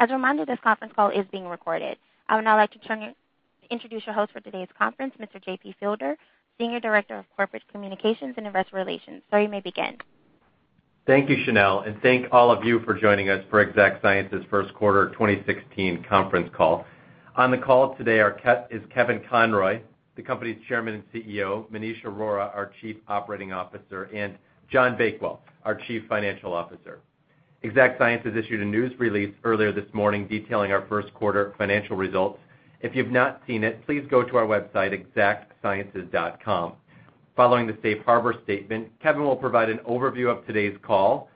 As a reminder, this conference call is being recorded. I would now like to introduce your host for today's conference, Mr. J.P. Fielder, Senior Director of Corporate Communications and Investor Relations. Sir, you may begin. Thank you, Chanel, and thank all of you for joining us for Exact Sciences' First Quarter 2016 Conference Call. On the call today are Kevin Conroy, the company's Chairman and CEO; Maneesh Arora, our Chief Operating Officer; and John Bakewell, our Chief Financial Officer. Exact Sciences issued a news release earlier this morning detailing our first quarter financial results. If you've not seen it, please go to our website, exactsciences.com. Following the Safe Harbor Statement, Kevin will provide an overview of today's call.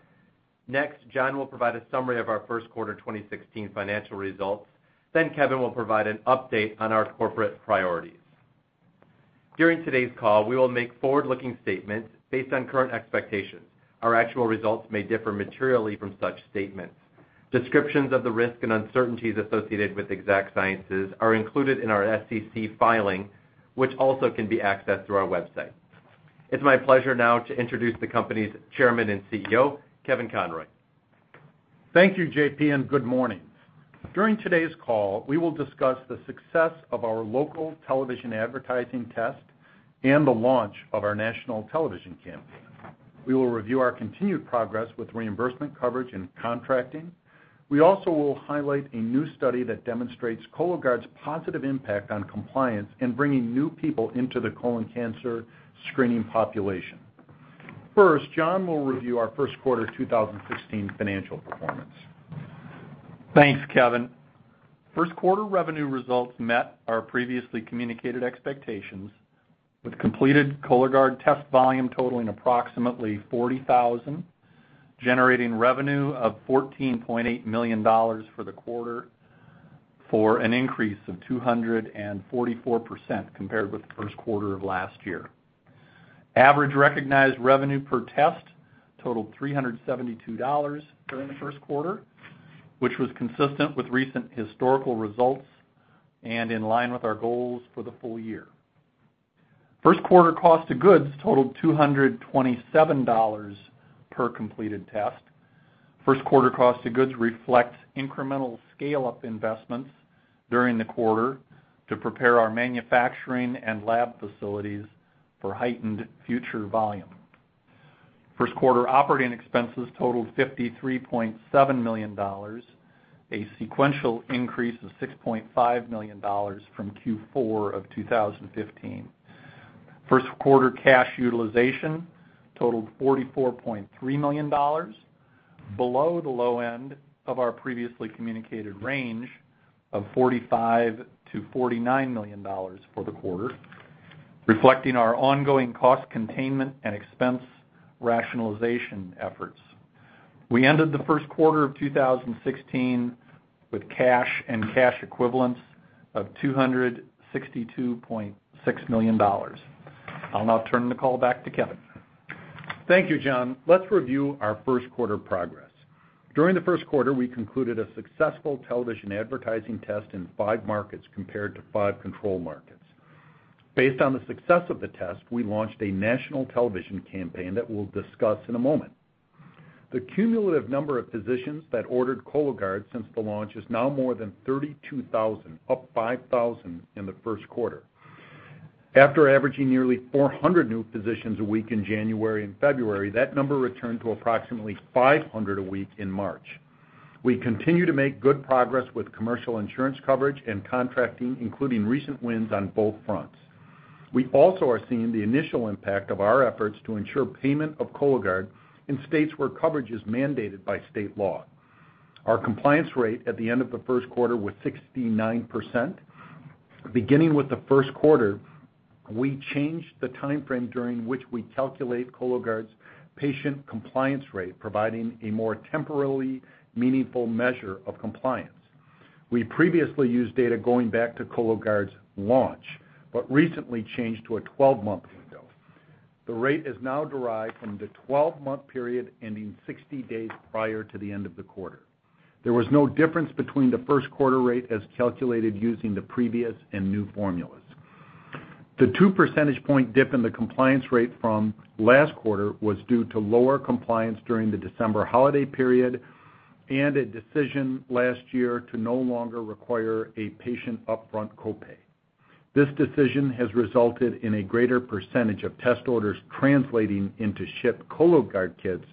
Next, John will provide a summary of our first quarter 2016 financial results. Kevin will provide an update on our corporate priorities. During today's call, we will make forward-looking statements based on current expectations. Our actual results may differ materially from such statements. Descriptions of the risks and uncertainties associated with Exact Sciences are included in our SEC filing, which also can be accessed through our website. It's my pleasure now to introduce the company's Chairman and CEO, Kevin Conroy. Thank you, JP, and good morning. During today's call, we will discuss the success of our local television advertising test and the launch of our national television campaign. We will review our continued progress with reimbursement coverage and contracting. We also will highlight a new study that demonstrates Cologuard's positive impact on compliance in bringing new people into the colon cancer screening population. First, John will review our first quarter 2016 financial performance. Thanks, Kevin. First quarter revenue results met our previously communicated expectations with completed Cologuard test volume totaling approximately 40,000, generating revenue of $14.8 million for the quarter for an increase of 244% compared with the first quarter of last year. Average recognized revenue per test totaled $372 during the first quarter, which was consistent with recent historical results and in line with our goals for the full year. First quarter cost of goods totaled $227 per completed test. First quarter cost of goods reflects incremental scale-up investments during the quarter to prepare our manufacturing and lab facilities for heightened future volume. First quarter operating expenses totaled $53.7 million, a sequential increase of $6.5 million from Q4 of 2015. First quarter cash utilization totaled $44.3 million, below the low end of our previously communicated range of $45 million-$49 million for the quarter, reflecting our ongoing cost containment and expense rationalization efforts. We ended the first quarter of 2016 with cash and cash equivalents of $262.6 million. I'll now turn the call back to Kevin. Thank you, John. Let's review our first quarter progress. During the first quarter, we concluded a successful television advertising test in five markets compared to five control markets. Based on the success of the test, we launched a national television campaign that we'll discuss in a moment. The cumulative number of physicians that ordered Cologuard since the launch is now more than 32,000, up 5,000 in the first quarter. After averaging nearly 400 new physicians a week in January and February, that number returned to approximately 500 a week in March. We continue to make good progress with commercial insurance coverage and contracting, including recent wins on both fronts. We also are seeing the initial impact of our efforts to ensure payment of Cologuard in states where coverage is mandated by state law. Our compliance rate at the end of the first quarter was 69%. Beginning with the first quarter, we changed the timeframe during which we calculate Cologuard's patient compliance rate, providing a more temporally meaningful measure of compliance. We previously used data going back to Cologuard's launch but recently changed to a 12-month window. The rate is now derived from the 12-month period ending 60 days prior to the end of the quarter. There was no difference between the first quarter rate as calculated using the previous and new formulas. The 2 percentage point dip in the compliance rate from last quarter was due to lower compliance during the December holiday period and a decision last year to no longer require a patient upfront copay. This decision has resulted in a greater percentage of test orders translating into shipped Cologuard kits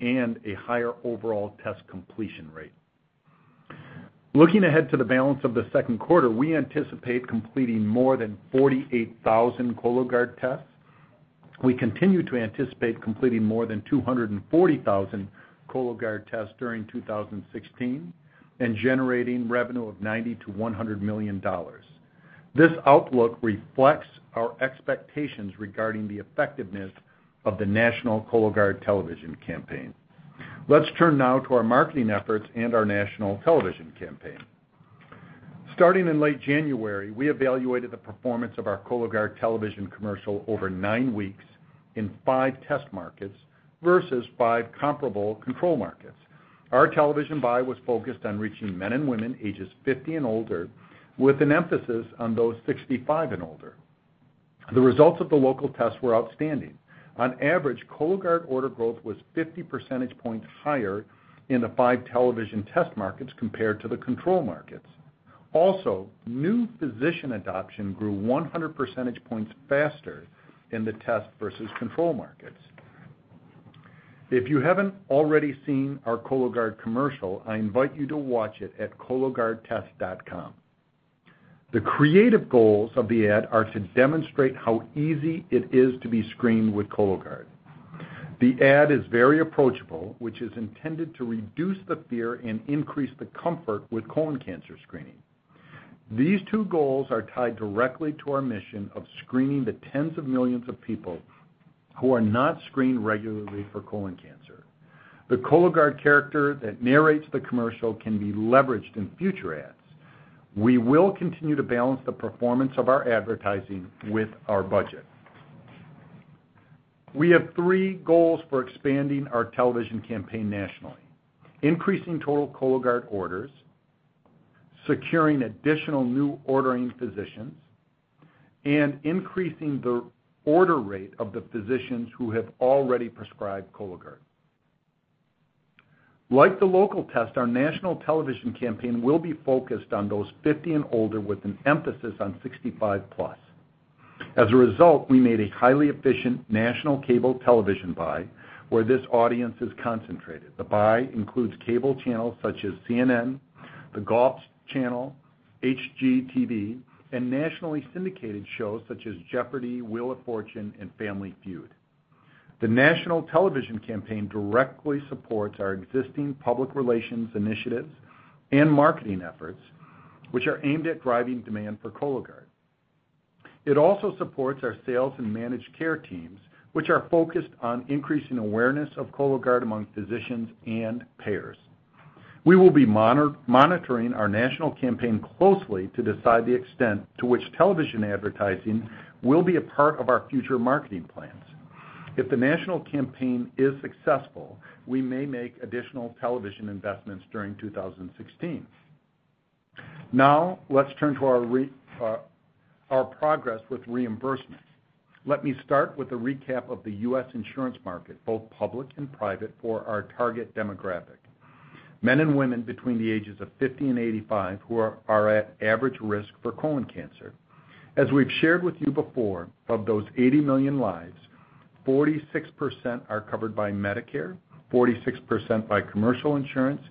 and a higher overall test completion rate. Looking ahead to the balance of the second quarter, we anticipate completing more than 48,000 Cologuard tests. We continue to anticipate completing more than 240,000 Cologuard tests during 2016 and generating revenue of $90 million-$100 million. This outlook reflects our expectations regarding the effectiveness of the national Cologuard television campaign. Let's turn now to our marketing efforts and our national television campaign. Starting in late January, we evaluated the performance of our Cologuard television commercial over nine weeks in five test markets versus five comparable control markets. Our television buy was focused on reaching men and women ages 50 and older, with an emphasis on those 65 and older. The results of the local tests were outstanding. On average, Cologuard order growth was 50 percentage points higher in the five television test markets compared to the control markets. Also, new physician adoption grew 100 percentage points faster in the test versus control markets. If you haven't already seen our Cologuard commercial, I invite you to watch it at cologuardtest.com. The creative goals of the ad are to demonstrate how easy it is to be screened with Cologuard. The ad is very approachable, which is intended to reduce the fear and increase the comfort with colon cancer screening. These two goals are tied directly to our mission of screening the tens of millions of people who are not screened regularly for colon cancer. The Cologuard character that narrates the commercial can be leveraged in future ads. We will continue to balance the performance of our advertising with our budget. We have three goals for expanding our television campaign nationally: increasing total Cologuard orders, securing additional new ordering physicians, and increasing the order rate of the physicians who have already prescribed Cologuard. Like the local test, our national television campaign will be focused on those 50 and older with an emphasis on 65 plus. As a result, we made a highly efficient national cable television buy where this audience is concentrated. The buy includes cable channels such as CNN, The Golf Channel, HGTV, and nationally syndicated shows such as Jeopardy!, Wheel of Fortune, and Family Feud. The national television campaign directly supports our existing public relations initiatives and marketing efforts, which are aimed at driving demand for Cologuard. It also supports our sales and managed care teams, which are focused on increasing awareness of Cologuard among physicians and payers. We will be monitoring our national campaign closely to decide the extent to which television advertising will be a part of our future marketing plans. If the national campaign is successful, we may make additional television investments during 2016. Now, let's turn to our progress with reimbursement. Let me start with a recap of the U.S. insurance market, both public and private, for our target demographic: men and women between the ages of 50 and 85 who are at average risk for colon cancer. As we've shared with you before, of those 80 million lives, 46% are covered by Medicare, 46% by commercial insurance,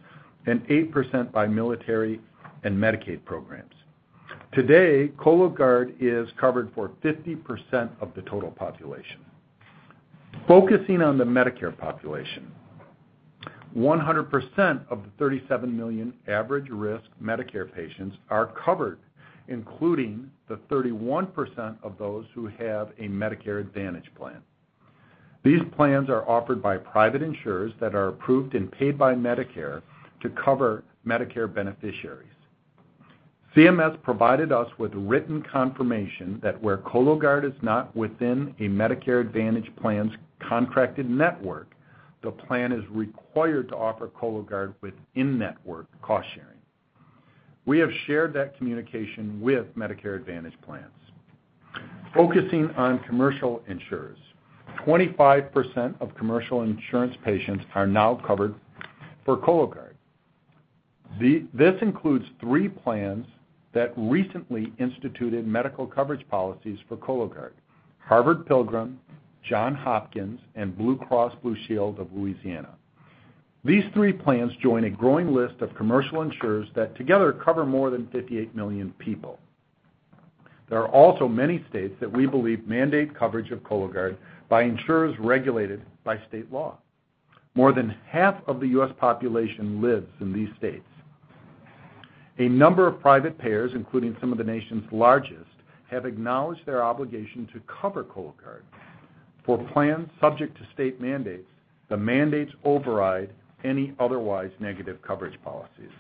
and 8% by military and Medicaid programs. Today, Cologuard is covered for 50% of the total population. Focusing on the Medicare population, 100% of the 37 million average risk Medicare patients are covered, including the 31% of those who have a Medicare Advantage plan. These plans are offered by private insurers that are approved and paid by Medicare to cover Medicare beneficiaries. CMS provided us with written confirmation that where Cologuard is not within a Medicare Advantage plan's contracted network, the plan is required to offer Cologuard within-network cost sharing. We have shared that communication with Medicare Advantage plans. Focusing on commercial insurers, 25% of commercial insurance patients are now covered for Cologuard. This includes three plans that recently instituted medical coverage policies for Cologuard: Harvard Pilgrim, Johns Hopkins, and Blue Cross Blue Shield of Louisiana. These three plans join a growing list of commercial insurers that together cover more than 58 million people. There are also many states that we believe mandate coverage of Cologuard by insurers regulated by state law. More than half of the U.S. population lives in these states. A number of private payers, including some of the nation's largest, have acknowledged their obligation to cover Cologuard for plans subject to state mandates that mandates override any otherwise negative coverage policies.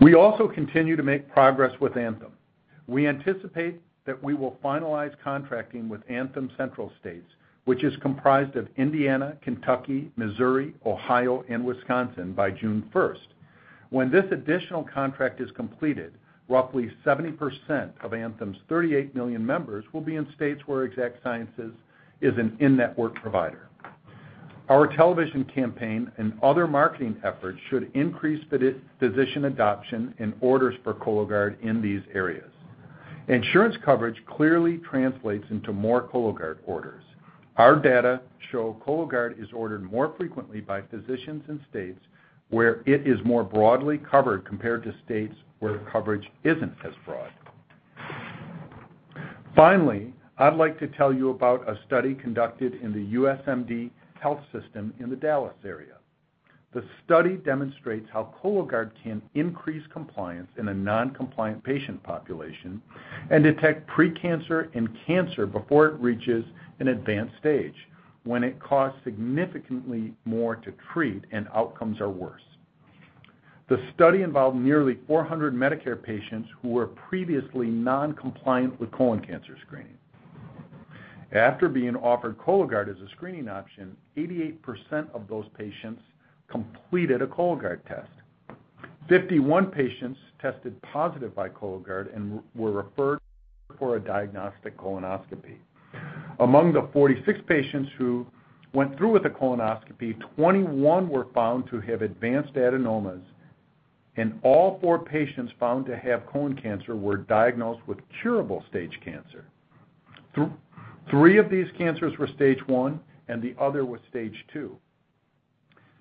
We also continue to make progress with Anthem. We anticipate that we will finalize contracting with Anthem Central States, which is comprised of Indiana, Kentucky, Missouri, Ohio, and Wisconsin, by June 1st. When this additional contract is completed, roughly 70% of Anthem's 38 million members will be in states where Exact Sciences is an in-network provider. Our television campaign and other marketing efforts should increase physician adoption and orders for Cologuard in these areas. Insurance coverage clearly translates into more Cologuard orders. Our data show Cologuard is ordered more frequently by physicians in states where it is more broadly covered compared to states where coverage isn't as broad. Finally, I'd like to tell you about a study conducted in the USMD Health System in the Dallas area. The study demonstrates how Cologuard can increase compliance in a non-compliant patient population and detect precancer and cancer before it reaches an advanced stage when it costs significantly more to treat and outcomes are worse. The study involved nearly 400 Medicare patients who were previously non-compliant with colon cancer screening. After being offered Cologuard as a screening option, 88% of those patients completed a Cologuard test. 51 patients tested positive by Cologuard and were referred for a diagnostic colonoscopy. Among the 46 patients who went through with a colonoscopy, 21 were found to have advanced adenomas, and all four patients found to have colon cancer were diagnosed with curable stage cancer. Three of these cancers were stage one, and the other was stage two.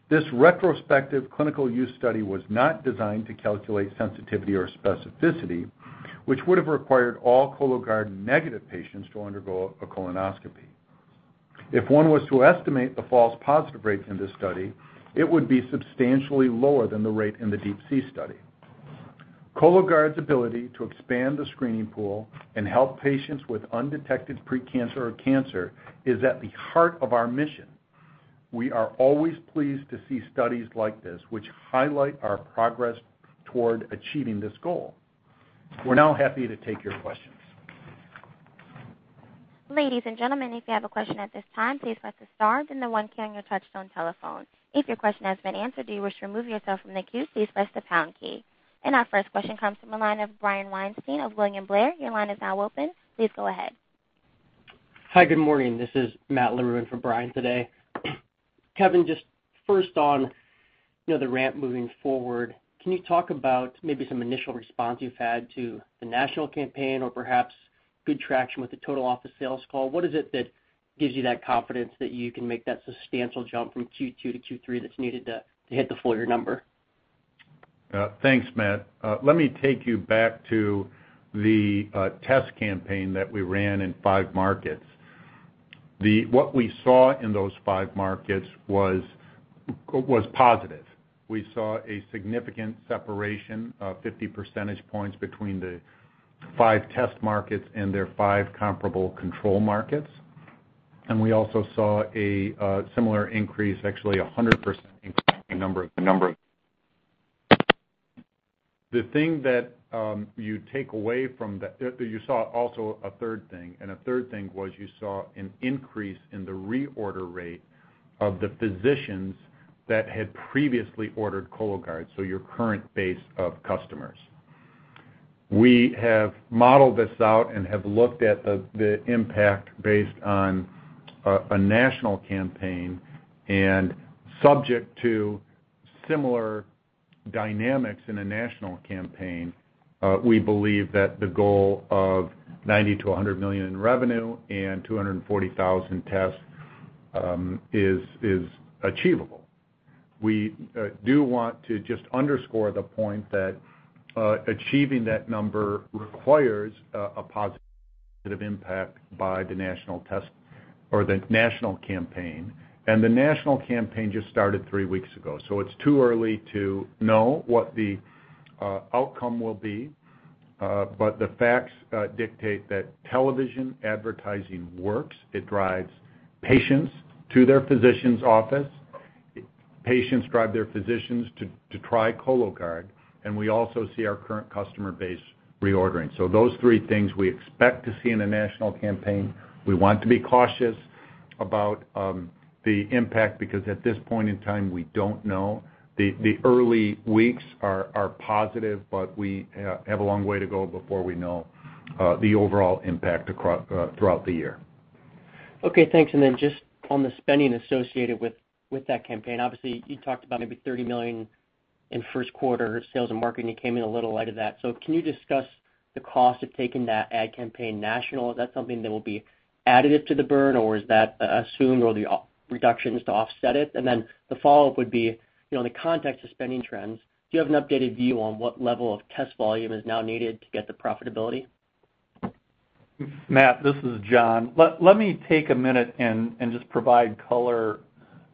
This retrospective clinical use study was not designed to calculate sensitivity or specificity, which would have required all Cologuard negative patients to undergo a colonoscopy. If one was to estimate the false positive rate in this study, it would be substantially lower than the rate in the DeeP-C study. Cologuard's ability to expand the screening pool and help patients with undetected precancer or cancer is at the heart of our mission. We are always pleased to see studies like this, which highlight our progress toward achieving this goal. We're now happy to take your questions. Ladies and gentlemen, if you have a question at this time, please press the star and the one key on your touchstone telephone. If your question has been answered, or you wish to remove yourself from the queue, please press the pound key. Our first question comes from the line of Brian Weinstein of William Blair. Your line is now open. Please go ahead. Hi, good morning. This is Matt Larew for Brian today. Kevin, just first on the ramp moving forward, can you talk about maybe some initial response you've had to the national campaign or perhaps good traction with the total office sales call? What is it that gives you that confidence that you can make that substantial jump from Q2 to Q3 that's needed to hit the full year number? Thanks, Matt. Let me take you back to the test campaign that we ran in five markets. What we saw in those five markets was positive. We saw a significant separation of 50 percentage points between the five test markets and their five comparable control markets. We also saw a similar increase, actually a 100% increase in the number of. The thing that you take away from that, you saw also a third thing. A third thing was you saw an increase in the reorder rate of the physicians that had previously ordered Cologuard, so your current base of customers. We have modeled this out and have looked at the impact based on a national campaign. Subject to similar dynamics in a national campaign, we believe that the goal of $90 million-$100 million in revenue and 240,000 tests is achievable. We do want to just underscore the point that achieving that number requires a positive impact by the national test or the national campaign. The national campaign just started three weeks ago. It is too early to know what the outcome will be. The facts dictate that television advertising works. It drives patients to their physician's office. Patients drive their physicians to try Cologuard. We also see our current customer base reordering. Those three things we expect to see in a national campaign. We want to be cautious about the impact because at this point in time, we do not know. The early weeks are positive, but we have a long way to go before we know the overall impact throughout the year. Okay. Thanks. And then just on the spending associated with that campaign, obviously, you talked about maybe $30 million in first quarter sales and marketing. You came in a little light of that. Can you discuss the cost of taking that ad campaign national? Is that something that will be additive to the burn, or is that assumed or are there reductions to offset it? The follow-up would be, in the context of spending trends, do you have an updated view on what level of test volume is now needed to get to profitability? Matt, this is John. Let me take a minute and just provide color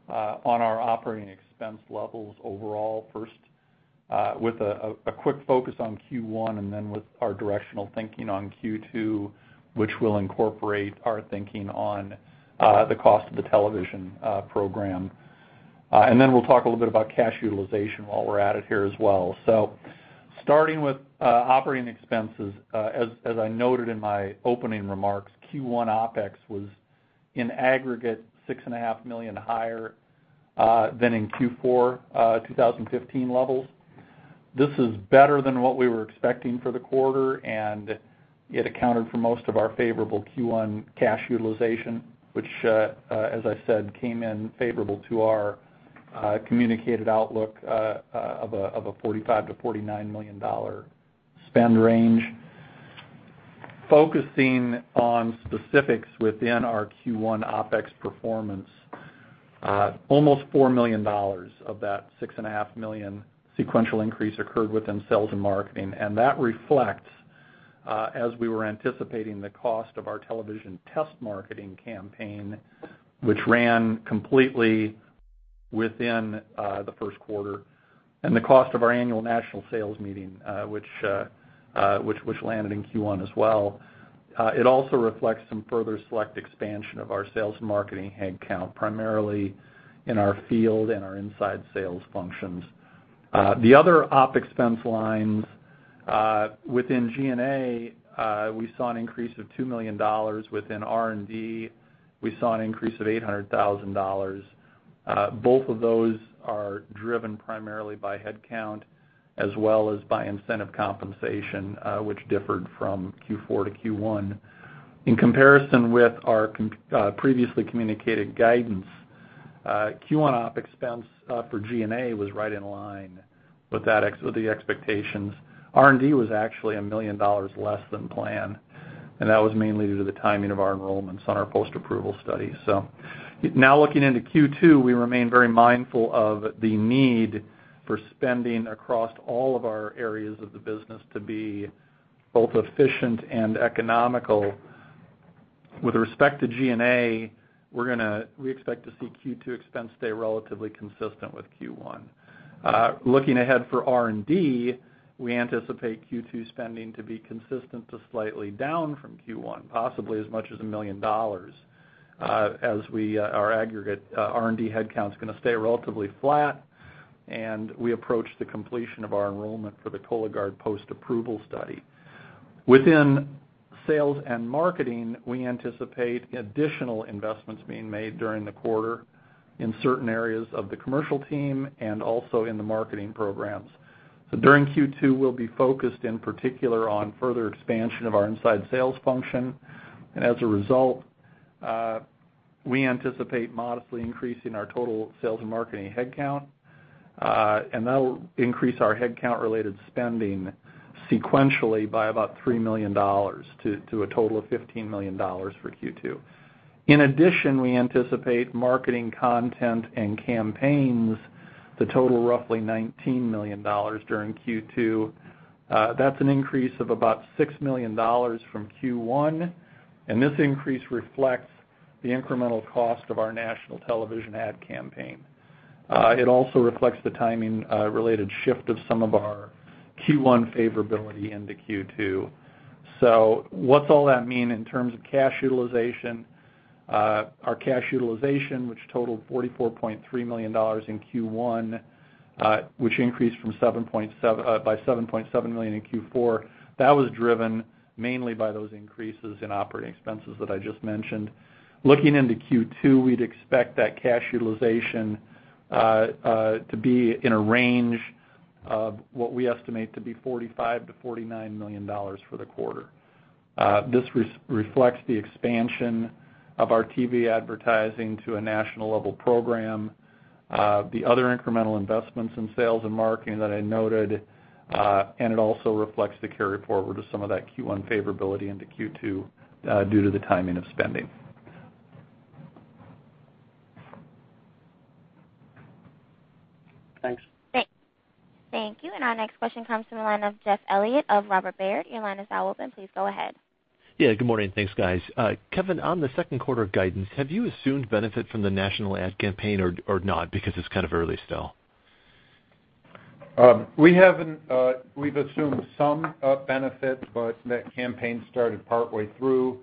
on our operating expense levels overall first, with a quick focus on Q1 and then with our directional thinking on Q2, which will incorporate our thinking on the cost of the television program. Then we'll talk a little bit about cash utilization while we're at it here as well. Starting with operating expenses, as I noted in my opening remarks, Q1 OpEx was in aggregate $6.5 million higher than in Q4 2015 levels. This is better than what we were expecting for the quarter, and it accounted for most of our favorable Q1 cash utilization, which, as I said, came in favorable to our communicated outlook of a $45 million-$49 million spend range. Focusing on specifics within our Q1 OpEx performance, almost $4 million of that $6.5 million sequential increase occurred within sales and marketing. That reflects, as we were anticipating, the cost of our television test marketing campaign, which ran completely within the first quarter, and the cost of our annual national sales meeting, which landed in Q1 as well. It also reflects some further select expansion of our sales and marketing headcount, primarily in our field and our inside sales functions. The other OpEx expense lines within G&A, we saw an increase of $2 million. Within R&D, we saw an increase of $800,000. Both of those are driven primarily by headcount as well as by incentive compensation, which differed from Q4 to Q1. In comparison with our previously communicated guidance, Q1 OpEx expense for G&A was right in line with the expectations. R&D was actually $1 million less than planned, and that was mainly due to the timing of our enrollments on our post-approval study. Now looking into Q2, we remain very mindful of the need for spending across all of our areas of the business to be both efficient and economical. With respect to G&A, we expect to see Q2 expense stay relatively consistent with Q1. Looking ahead for R&D, we anticipate Q2 spending to be consistent to slightly down from Q1, possibly as much as $1 million as our aggregate R&D headcount is going to stay relatively flat, and we approach the completion of our enrollment for the Cologuard post-approval study. Within sales and marketing, we anticipate additional investments being made during the quarter in certain areas of the commercial team and also in the marketing programs. During Q2, we'll be focused in particular on further expansion of our inside sales function. As a result, we anticipate modestly increasing our total sales and marketing headcount, and that'll increase our headcount-related spending sequentially by about $3 million to a total of $15 million for Q2. In addition, we anticipate marketing content and campaigns to total roughly $19 million during Q2. That's an increase of about $6 million from Q1. This increase reflects the incremental cost of our national television ad campaign. It also reflects the timing-related shift of some of our Q1 favorability into Q2. What's all that mean in terms of cash utilization? Our cash utilization, which totaled $44.3 million in Q1, which increased by $7.7 million in Q4, was driven mainly by those increases in operating expenses that I just mentioned. Looking into Q2, we'd expect that cash utilization to be in a range of what we estimate to be $45 million-$49 million for the quarter. This reflects the expansion of our TV advertising to a national-level program, the other incremental investments in sales and marketing that I noted, and it also reflects the carry forward of some of that Q1 favorability into Q2 due to the timing of spending. Thanks. Thank you. Our next question comes from the line of Jeff Elliott of Robert W. Baird. Your line is now open. Please go ahead. Yeah. Good morning. Thanks, guys. Kevin, on the second quarter guidance, have you assumed benefit from the national ad campaign or not? Because it's kind of early still. We've assumed some benefit, but that campaign started partway through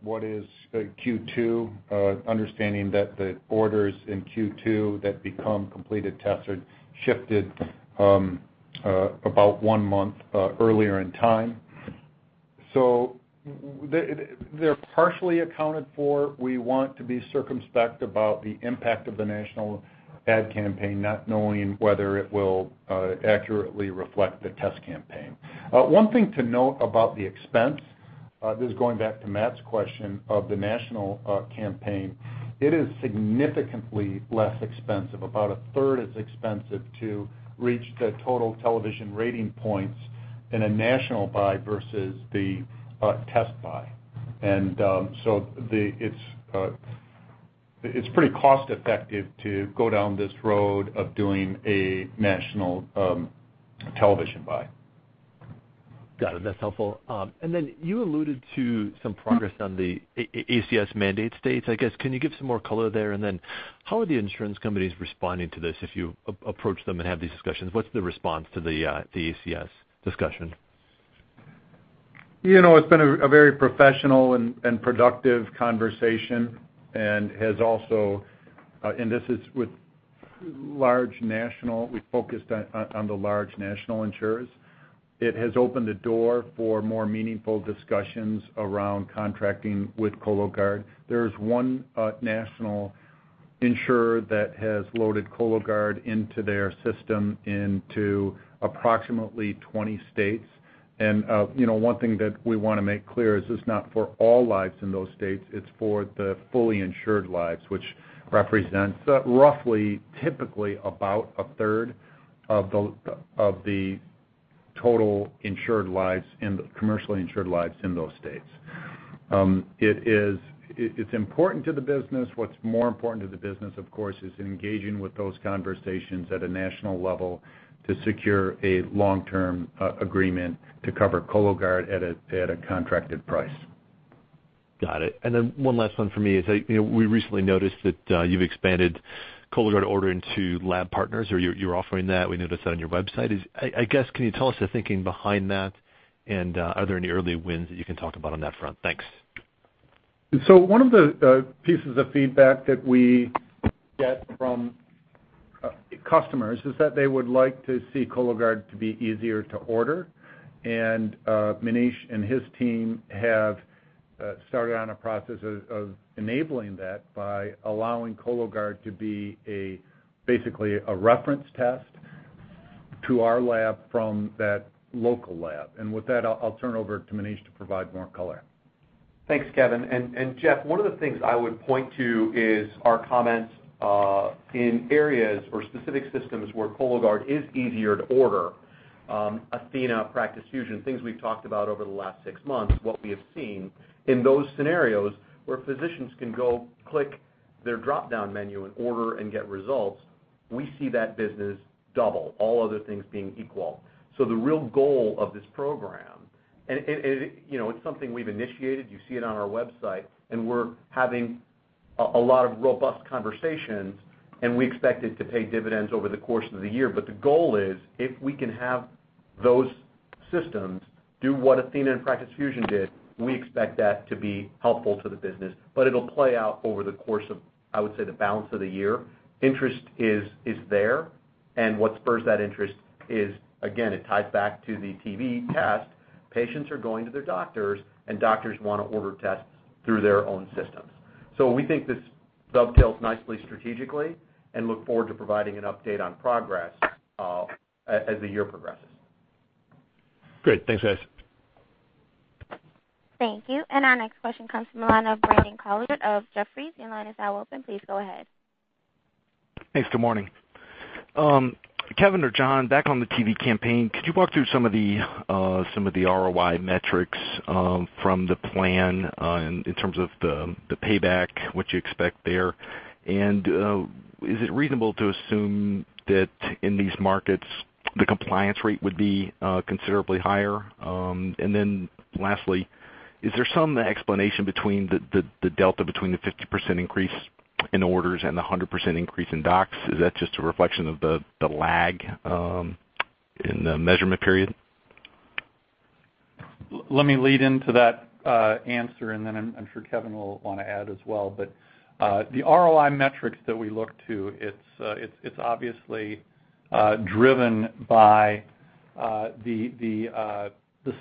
what is Q2, understanding that the orders in Q2 that become completed tests are shifted about one month earlier in time. They are partially accounted for. We want to be circumspect about the impact of the national ad campaign, not knowing whether it will accurately reflect the test campaign. One thing to note about the expense, this is going back to Matt's question of the national campaign, it is significantly less expensive. About a third as expensive to reach the total television rating points in a national buy versus the test buy. It is pretty cost-effective to go down this road of doing a national television buy. Got it. That's helpful. You alluded to some progress on the ACS mandate states. I guess, can you give some more color there? How are the insurance companies responding to this if you approach them and have these discussions? What's the response to the ACS discussion? It's been a very professional and productive conversation. This is with large national. We focused on the large national insurers. It has opened the door for more meaningful discussions around contracting with Cologuard. There is one national insurer that has loaded Cologuard into their system into approximately 20 states. One thing that we want to make clear is it's not for all lives in those states. It's for the fully insured lives, which represents roughly, typically, about a third of the total insured lives and commercially insured lives in those states. It's important to the business. What's more important to the business, of course, is engaging with those conversations at a national level to secure a long-term agreement to cover Cologuard at a contracted price. Got it. One last one for me is we recently noticed that you've expanded Cologuard ordering to lab partners or you're offering that. We noticed that on your website. I guess, can you tell us the thinking behind that? Are there any early wins that you can talk about on that front? Thanks. One of the pieces of feedback that we get from customers is that they would like to see Cologuard be easier to order. Maneesh and his team have started on a process of enabling that by allowing Cologuard to be basically a reference test to our lab from that local lab. With that, I'll turn over to Maneesh to provide more color. Thanks, Kevin. Jeff, one of the things I would point to is our comments in areas or specific systems where Cologuard is easier to order, Athena, Practice Fusion, things we've talked about over the last six months, what we have seen in those scenarios where physicians can go click their drop-down menu and order and get results, we see that business double, all other things being equal. The real goal of this program, and it's something we've initiated, you see it on our website, and we're having a lot of robust conversations, and we expect it to pay dividends over the course of the year. The goal is if we can have those systems do what Athena and Practice Fusion did, we expect that to be helpful to the business. It'll play out over the course of, I would say, the balance of the year. Interest is there. What spurs that interest is, again, it ties back to the TV test. Patients are going to their doctors, and doctors want to order tests through their own systems. We think this dovetails nicely strategically and look forward to providing an update on progress as the year progresses. Great. Thanks, guys. Thank you. Our next question comes from the line of Brandon Couillard of Jefferies. Your line is now open. Please go ahead. Thanks. Good morning. Kevin or John, back on the TV campaign, could you walk through some of the ROI metrics from the plan in terms of the payback, what you expect there? Is it reasonable to assume that in these markets, the compliance rate would be considerably higher? Lastly, is there some explanation between the delta between the 50% increase in orders and the 100% increase in docs? Is that just a reflection of the lag in the measurement period? Let me lead into that answer, and then I'm sure Kevin will want to add as well. The ROI metrics that we look to, it's obviously driven by the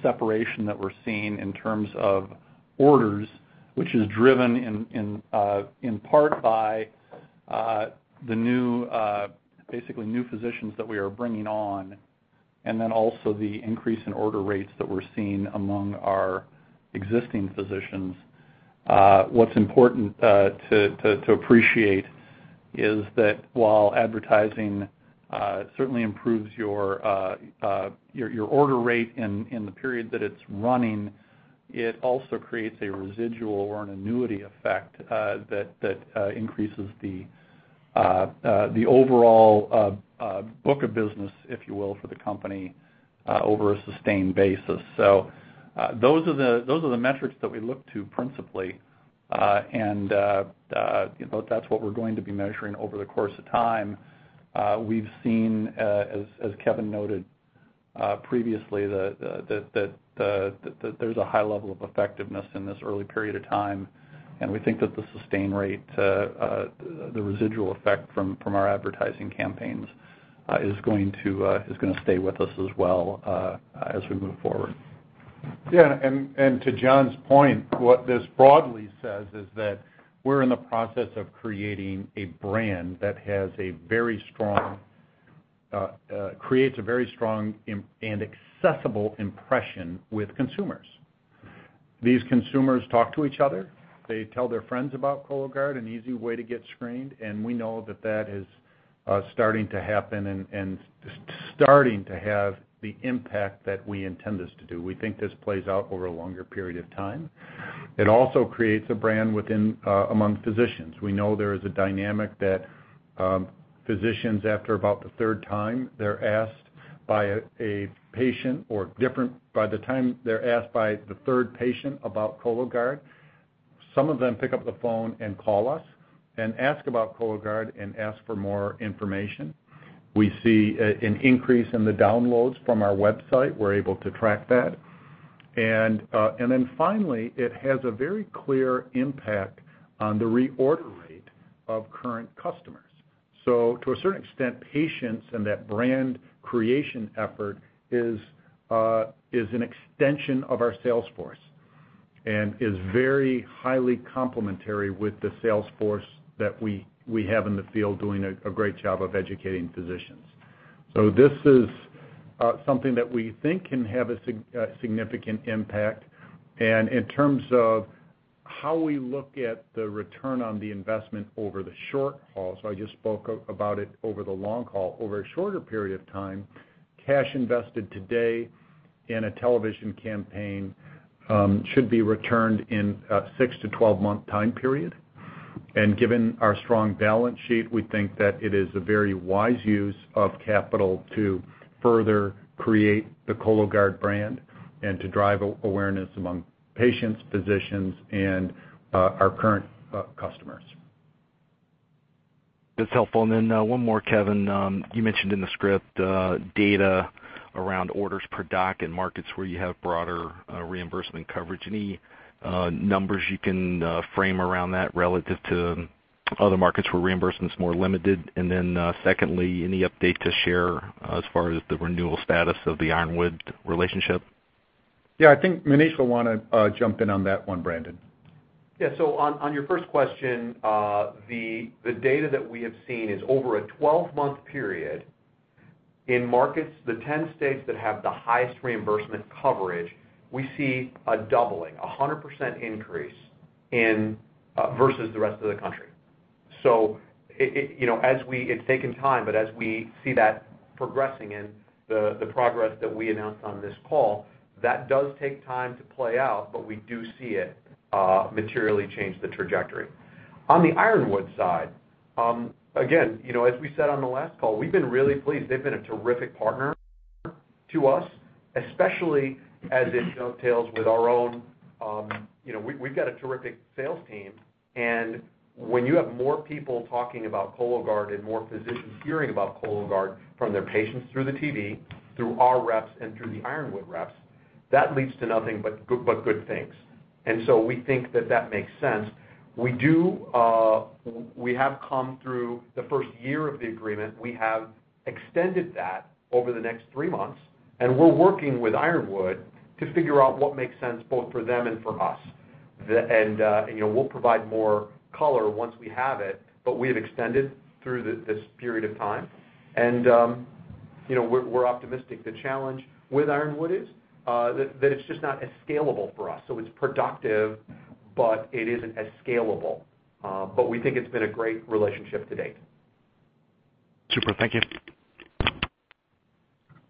separation that we're seeing in terms of orders, which is driven in part by the basically new physicians that we are bringing on, and then also the increase in order rates that we're seeing among our existing physicians. What's important to appreciate is that while advertising certainly improves your order rate in the period that it's running, it also creates a residual or an annuity effect that increases the overall book of business, if you will, for the company over a sustained basis. Those are the metrics that we look to principally, and that's what we're going to be measuring over the course of time. We've seen, as Kevin noted previously, that there's a high level of effectiveness in this early period of time. We think that the sustained rate, the residual effect from our advertising campaigns, is going to stay with us as well as we move forward. Yeah. To John's point, what this broadly says is that we're in the process of creating a brand that creates a very strong and accessible impression with consumers. These consumers talk to each other. They tell their friends about Cologuard, an easy way to get screened. We know that that is starting to happen and starting to have the impact that we intend this to do. We think this plays out over a longer period of time. It also creates a brand among physicians. We know there is a dynamic that physicians, after about the third time, they're asked by a patient or different by the time they're asked by the third patient about Cologuard, some of them pick up the phone and call us and ask about Cologuard and ask for more information. We see an increase in the downloads from our website. We're able to track that. It has a very clear impact on the reorder rate of current customers. To a certain extent, patience and that brand creation effort is an extension of our salesforce and is very highly complementary with the salesforce that we have in the field doing a great job of educating physicians. This is something that we think can have a significant impact. In terms of how we look at the return on the investment over the short haul, I just spoke about it over the long haul. Over a shorter period of time, cash invested today in a television campaign should be returned in a 6-12 month time period. Given our strong balance sheet, we think that it is a very wise use of capital to further create the Cologuard brand and to drive awareness among patients, physicians, and our current customers. That's helpful. One more, Kevin. You mentioned in the script data around orders per doc and markets where you have broader reimbursement coverage. Any numbers you can frame around that relative to other markets where reimbursement's more limited? Secondly, any update to share as far as the renewal status of the Ironwood relationship? Yeah. I think Maneesh want to jump in on that one, Brandon. Yeah. On your first question, the data that we have seen is over a 12-month period in markets, the 10 states that have the highest reimbursement coverage, we see a doubling, a 100% increase versus the rest of the country. It has taken time, but as we see that progressing and the progress that we announced on this call, that does take time to play out, but we do see it materially change the trajectory. On the Ironwood side, again, as we said on the last call, we've been really pleased. They've been a terrific partner to us, especially as it dovetails with our own, we've got a terrific sales team. When you have more people talking about Cologuard and more physicians hearing about Cologuard from their patients through the TV, through our reps, and through the Ironwood reps, that leads to nothing but good things. We think that that makes sense. We have come through the first year of the agreement. We have extended that over the next three months, and we are working with Ironwood to figure out what makes sense both for them and for us. We will provide more color once we have it, but we have extended through this period of time. We are optimistic. The challenge with Ironwood is that it is just not as scalable for us. It is productive, but it is not as scalable. We think it has been a great relationship to date. Super. Thank you.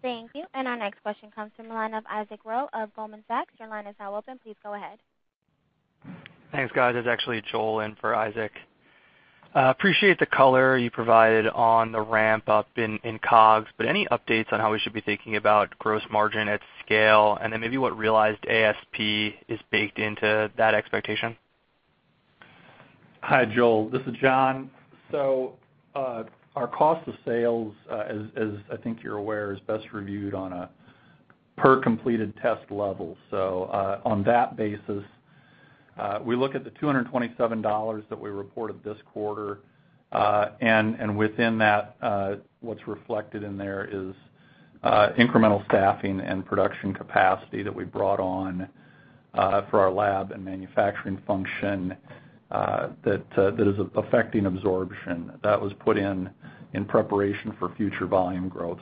Thank you. Our next question comes from the line of Isaac Ro of Goldman Sachs. Your line is now open. Please go ahead. Thanks, guys. It's actually Joel in for Isaac. Appreciate the color you provided on the ramp up in COGS, but any updates on how we should be thinking about gross margin at scale and then maybe what realized ASP is baked into that expectation? Hi, Joel. This is John. Our cost of sales, as I think you're aware, is best reviewed on a per-completed test level. On that basis, we look at the $227 that we reported this quarter. Within that, what's reflected is incremental staffing and production capacity that we brought on for our lab and manufacturing function that is affecting absorption that was put in in preparation for future volume growth.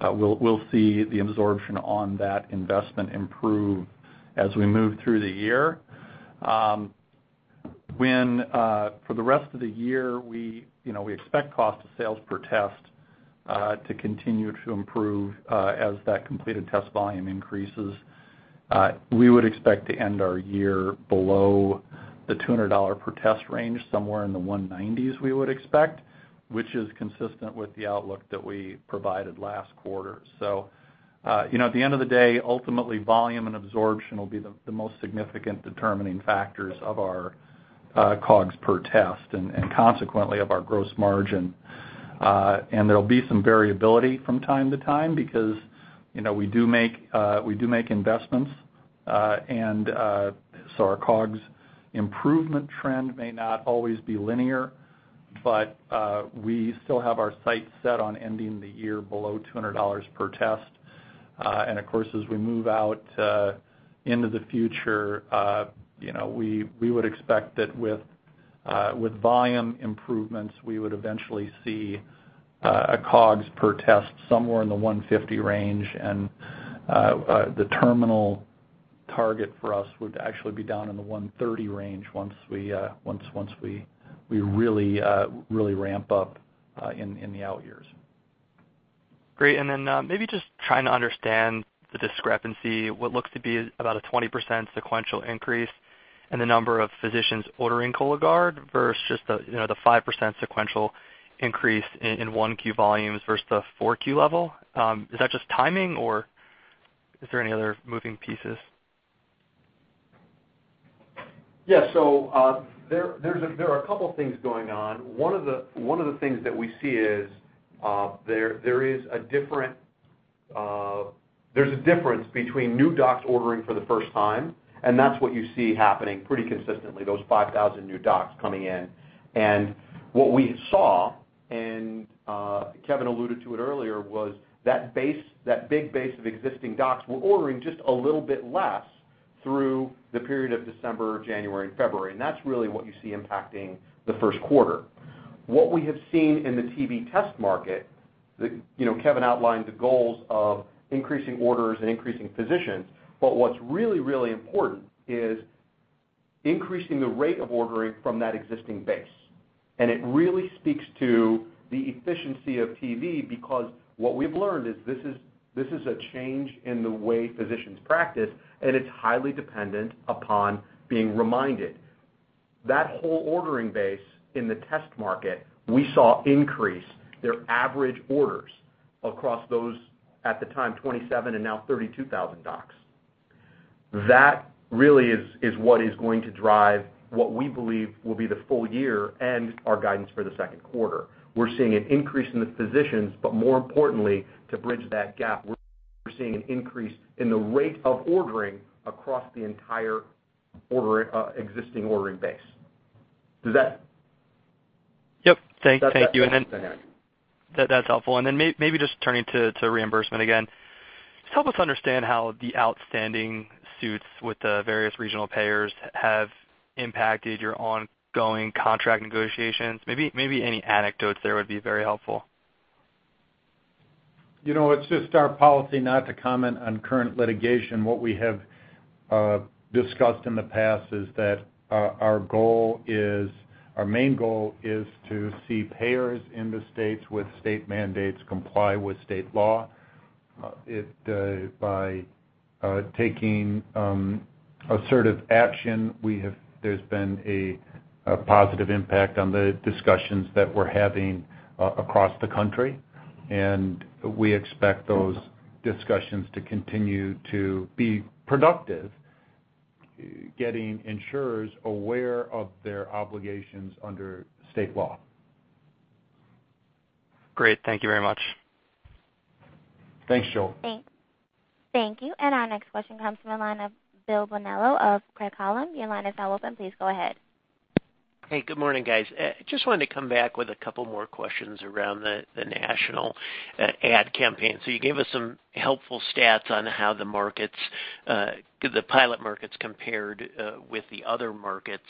We will see the absorption on that investment improve as we move through the year. For the rest of the year, we expect cost of sales per test to continue to improve as that completed test volume increases. We would expect to end our year below the $200 per test range, somewhere in the 190s we would expect, which is consistent with the outlook that we provided last quarter. At the end of the day, ultimately, volume and absorption will be the most significant determining factors of our COGS per test and consequently of our gross margin. There will be some variability from time to time because we do make investments. Our COGS improvement trend may not always be linear, but we still have our sights set on ending the year below $200 per test. Of course, as we move out into the future, we would expect that with volume improvements, we would eventually see a COGS per test somewhere in the $150 range. The terminal target for us would actually be down in the $130 range once we really ramp up in the out years. Great. Maybe just trying to understand the discrepancy, what looks to be about a 20% sequential increase in the number of physicians ordering Cologuard versus just the 5% sequential increase in 1Q volumes versus the 4Q level. Is that just timing, or is there any other moving pieces? Yeah. There are a couple of things going on. One of the things that we see is there is a difference between new docs ordering for the first time, and that's what you see happening pretty consistently, those 5,000 new docs coming in. What we saw, and Kevin alluded to it earlier, was that big base of existing docs were ordering just a little bit less through the period of December, January, and February. That is really what you see impacting the first quarter. What we have seen in the TV test market, Kevin outlined the goals of increasing orders and increasing physicians. What's really, really important is increasing the rate of ordering from that existing base. It really speaks to the efficiency of TV because what we've learned is this is a change in the way physicians practice, and it's highly dependent upon being reminded. That whole ordering base in the test market, we saw increase their average orders across those, at the time, 27,000 and now 32,000 docs. That really is what is going to drive what we believe will be the full year and our guidance for the second quarter. We're seeing an increase in the physicians, but more importantly, to bridge that gap, we're seeing an increase in the rate of ordering across the entire existing ordering base. Does that?-- Yep. Thank you. That's helpful. Maybe just turning to reimbursement again, just help us understand how the outstanding suits with the various regional payers have impacted your ongoing contract negotiations. Maybe any anecdotes there would be very helpful. It's just our policy not to comment on current litigation. What we have discussed in the past is that our main goal is to see payers in the states with state mandates comply with state law. By taking assertive action, there's been a positive impact on the discussions that we're having across the country. We expect those discussions to continue to be productive, getting insurers aware of their obligations under state law. Great. Thank you very much. Thanks, Joel. Thank you. Our next question comes from the line of Bill Bonello of Craig-Hallum. Your line is now open. Please go ahead. Hey, good morning, guys. Just wanted to come back with a couple more questions around the national ad campaign. You gave us some helpful stats on how the pilot markets compared with the other markets.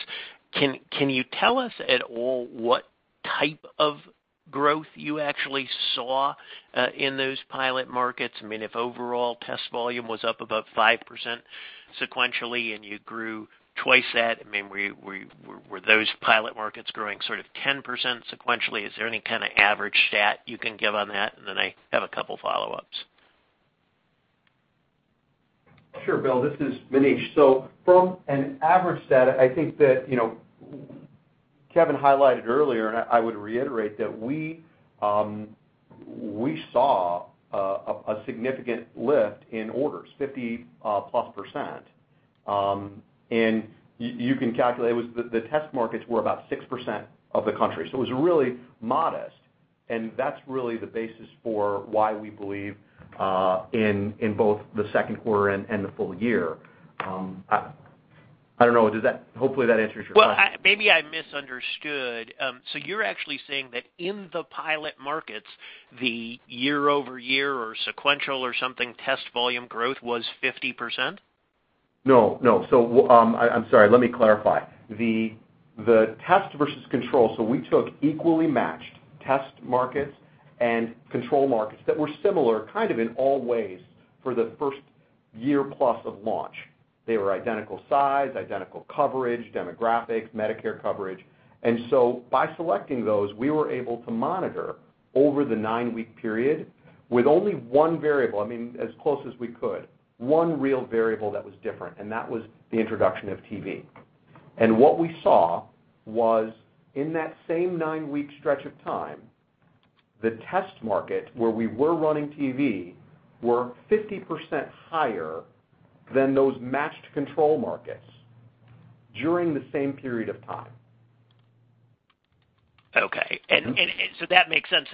Can you tell us at all what type of growth you actually saw in those pilot markets? I mean, if overall test volume was up about 5% sequentially and you grew twice that, I mean, were those pilot markets growing sort of 10% sequentially? Is there any kind of average stat you can give on that? I have a couple of follow-ups. Sure, Bill. This is Maneesh. From an average stat, I think that Kevin highlighted earlier, and I would reiterate that we saw a significant lift in orders, +50%. You can calculate the test markets were about 6% of the country. It was really modest. That is really the basis for why we believe in both the second quarter and the full year. I do not know. Hopefully, that answers your question. Maybe I misunderstood. So you're actually saying that in the pilot markets, the year-over-year or sequential or something test volume growth was 50%? No. No. I'm sorry. Let me clarify. The test versus control, we took equally matched test markets and control markets that were similar in all ways for the first year plus of launch. They were identical size, identical coverage, demographics, Medicare coverage. By selecting those, we were able to monitor over the nine-week period with only one variable, I mean, as close as we could, one real variable that was different. That was the introduction of TV. What we saw was in that same nine-week stretch of time, the test market where we were running TV were 50% higher than those matched control markets during the same period of time. Okay. That makes sense.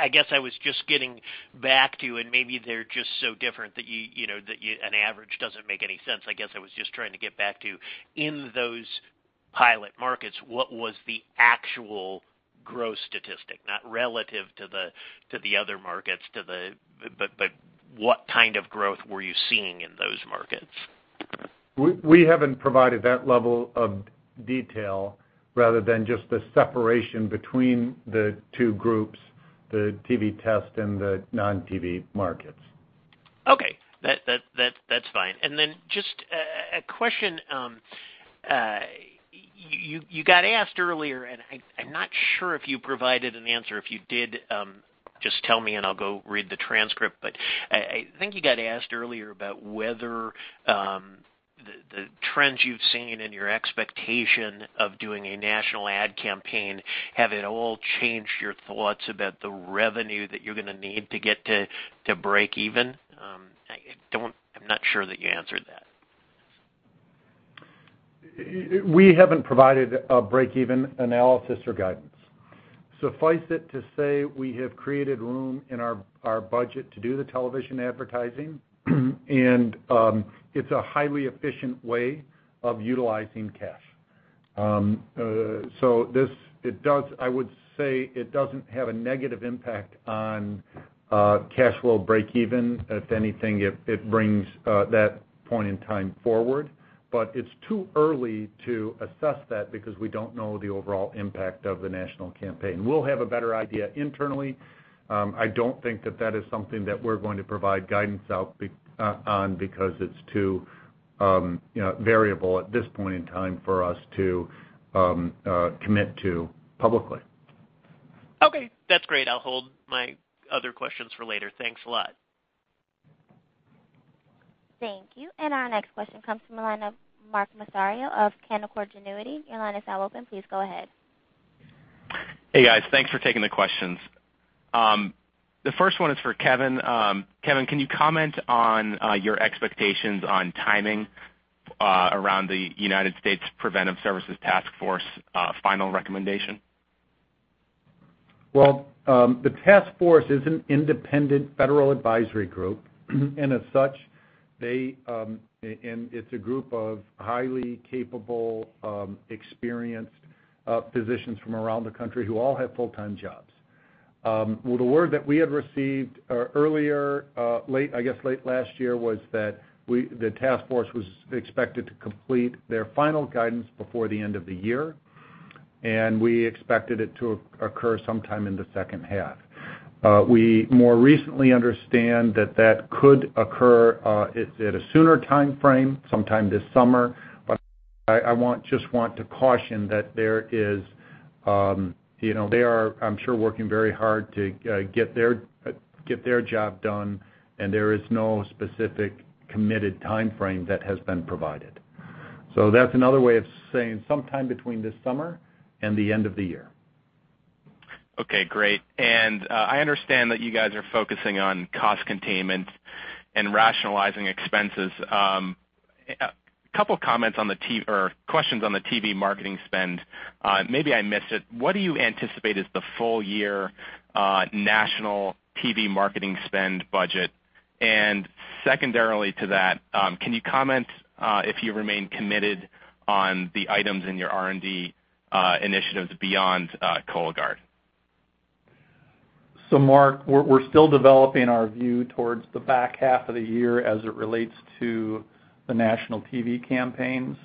I guess I was just getting back to, and maybe they're just so different that an average doesn't make any sense. I guess I was just trying to get back to, in those pilot markets, what was the actual growth statistic, not relative to the other markets, but what kind of growth were you seeing in those markets? We haven't provided that level of detail, rather than just the separation between the two groups, the TV test and the non-TV markets. Okay. That's fine. Then just a question. You got asked earlier, and I'm not sure if you provided an answer. If you did, just tell me, and I'll go read the transcript. I think you got asked earlier about whether the trends you've seen and your expectation of doing a national ad campaign have at all changed your thoughts about the revenue that you're going to need to get to break even. I'm not sure that you answered that. We haven't provided a break-even analysis or guidance. Suffice it to say we have created room in our budget to do the television advertising, and it's a highly efficient way of utilizing cash. I would say it doesn't have a negative impact on cash flow break-even. If anything, it brings that point in time forward. It is too early to assess that because we don't know the overall impact of the national campaign. We'll have a better idea internally. I don't think that that is something that we're going to provide guidance on because it's too variable at this point in time for us to commit to publicly. Okay. That's great. I'll hold my other questions for later. Thanks a lot. Thank you. Our next question comes from the line of Mark Massaro of Canaccord Genuity. Your line is now open. Please go ahead. Hey, guys. Thanks for taking the questions. The first one is for Kevin. Kevin, can you comment on your expectations on timing around the United States Preventive Services Task Force final recommendation? The task force is an independent federal advisory group. As such, it's a group of highly capable, experienced physicians from around the country who all have full-time jobs. The word that we had received earlier, I guess late last year, was that the task force was expected to complete their final guidance before the end of the year. We expected it to occur sometime in the second half. We more recently understand that that could occur at a sooner time frame, sometime this summer. I just want to caution that they are, I'm sure, working very hard to get their job done, and there is no specific committed time frame that has been provided. That's another way of saying sometime between this summer and the end of the year. Okay. Great. I understand that you guys are focusing on cost containment and rationalizing expenses. A couple of comments on the or questions on the TV marketing spend. Maybe I missed it. What do you anticipate is the full-year national TV marketing spend budget? Secondarily to that, can you comment if you remain committed on the items in your R&D initiatives beyond Cologuard? Mark, we're still developing our view towards the back half of the year as it relates to the national TV campaign.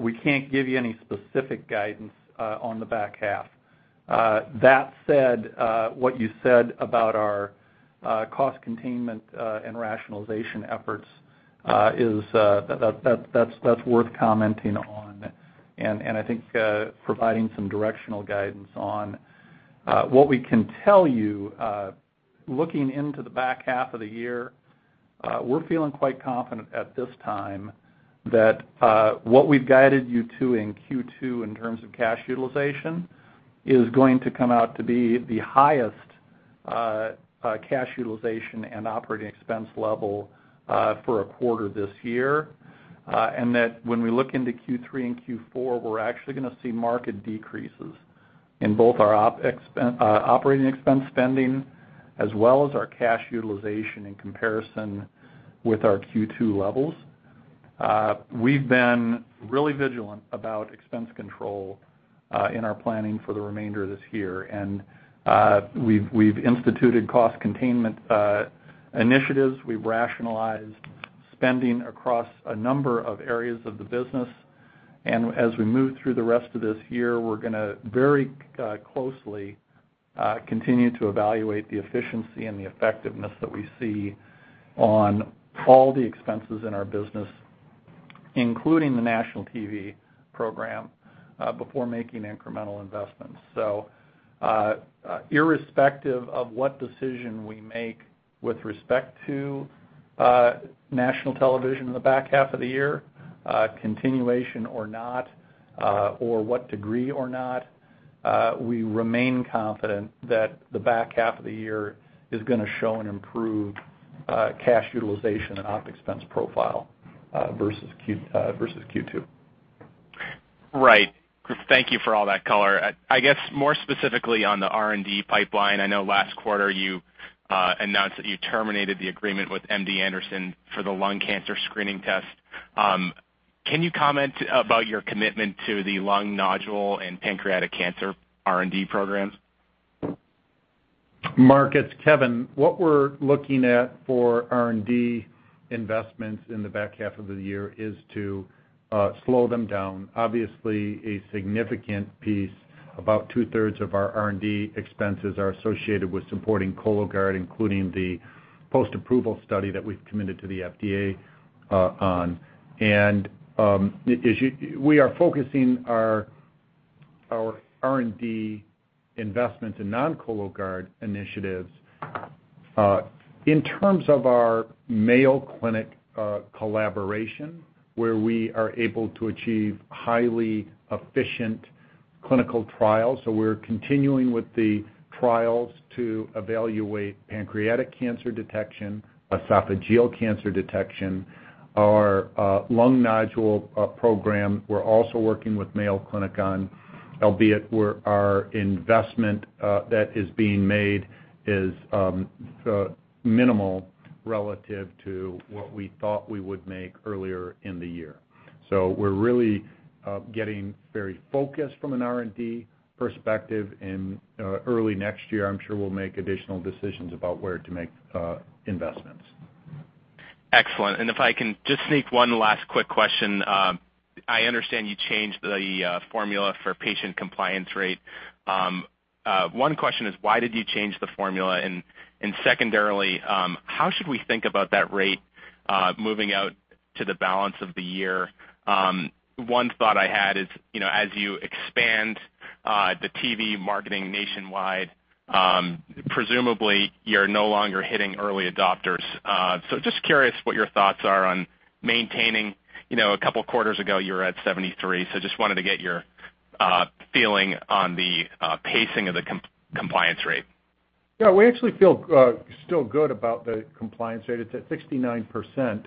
We can't give you any specific guidance on the back half. That said, what you said about our cost containment and rationalization efforts, that's worth commenting on. I think providing some directional guidance on what we can tell you, looking into the back half of the year, we're feeling quite confident at this time that what we've guided you to in Q2 in terms of cash utilization is going to come out to be the highest cash utilization and operating expense level for a quarter this year. When we look into Q3 and Q4, we're actually going to see market decreases in both our operating expense spending as well as our cash utilization in comparison with our Q2 levels. We've been really vigilant about expense control in our planning for the remainder of this year. We've instituted cost containment initiatives. We've rationalized spending across a number of areas of the business. As we move through the rest of this year, we're going to very closely continue to evaluate the efficiency and the effectiveness that we see on all the expenses in our business, including the national TV program, before making incremental investments. Irrespective of what decision we make with respect to national television in the back half of the year, continuation or not, or what degree or not, we remain confident that the back half of the year is going to show an improved cash utilization and OpEx profile versus Q2. Right. Thank you for all that color. I guess more specifically on the R&D pipeline, I know last quarter you announced that you terminated the agreement with MD Anderson for the lung cancer screening test. Can you comment about your commitment to the lung nodule and pancreatic cancer R&D programs? Mark, it's Kevin. What we're looking at for R&D investments in the back half of the year is to slow them down. Obviously, a significant piece, about two-thirds of our R&D expenses are associated with supporting Cologuard, including the post-approval study that we've committed to the FDA on. We are focusing our R&D investments in non-Cologuard initiatives in terms of our Mayo Clinic collaboration, where we are able to achieve highly efficient clinical trials. We're continuing with the trials to evaluate pancreatic cancer detection, esophageal cancer detection, our lung nodule program. We're also working with Mayo Clinic on, albeit our investment that is being made is minimal relative to what we thought we would make earlier in the year. We're really getting very focused from an R&D perspective. Early next year, I'm sure we'll make additional decisions about where to make investments. Excellent. If I can just sneak one last quick question, I understand you changed the formula for patient compliance rate. One question is, why did you change the formula? Secondarily, how should we think about that rate moving out to the balance of the year? One thought I had is, as you expand the TV marketing nationwide, presumably you're no longer hitting early adopters. Just curious what your thoughts are on maintaining. A couple of quarters ago, you were at 73%. Just wanted to get your feeling on the pacing of the compliance rate. Yeah. We actually feel still good about the compliance rate at 69%.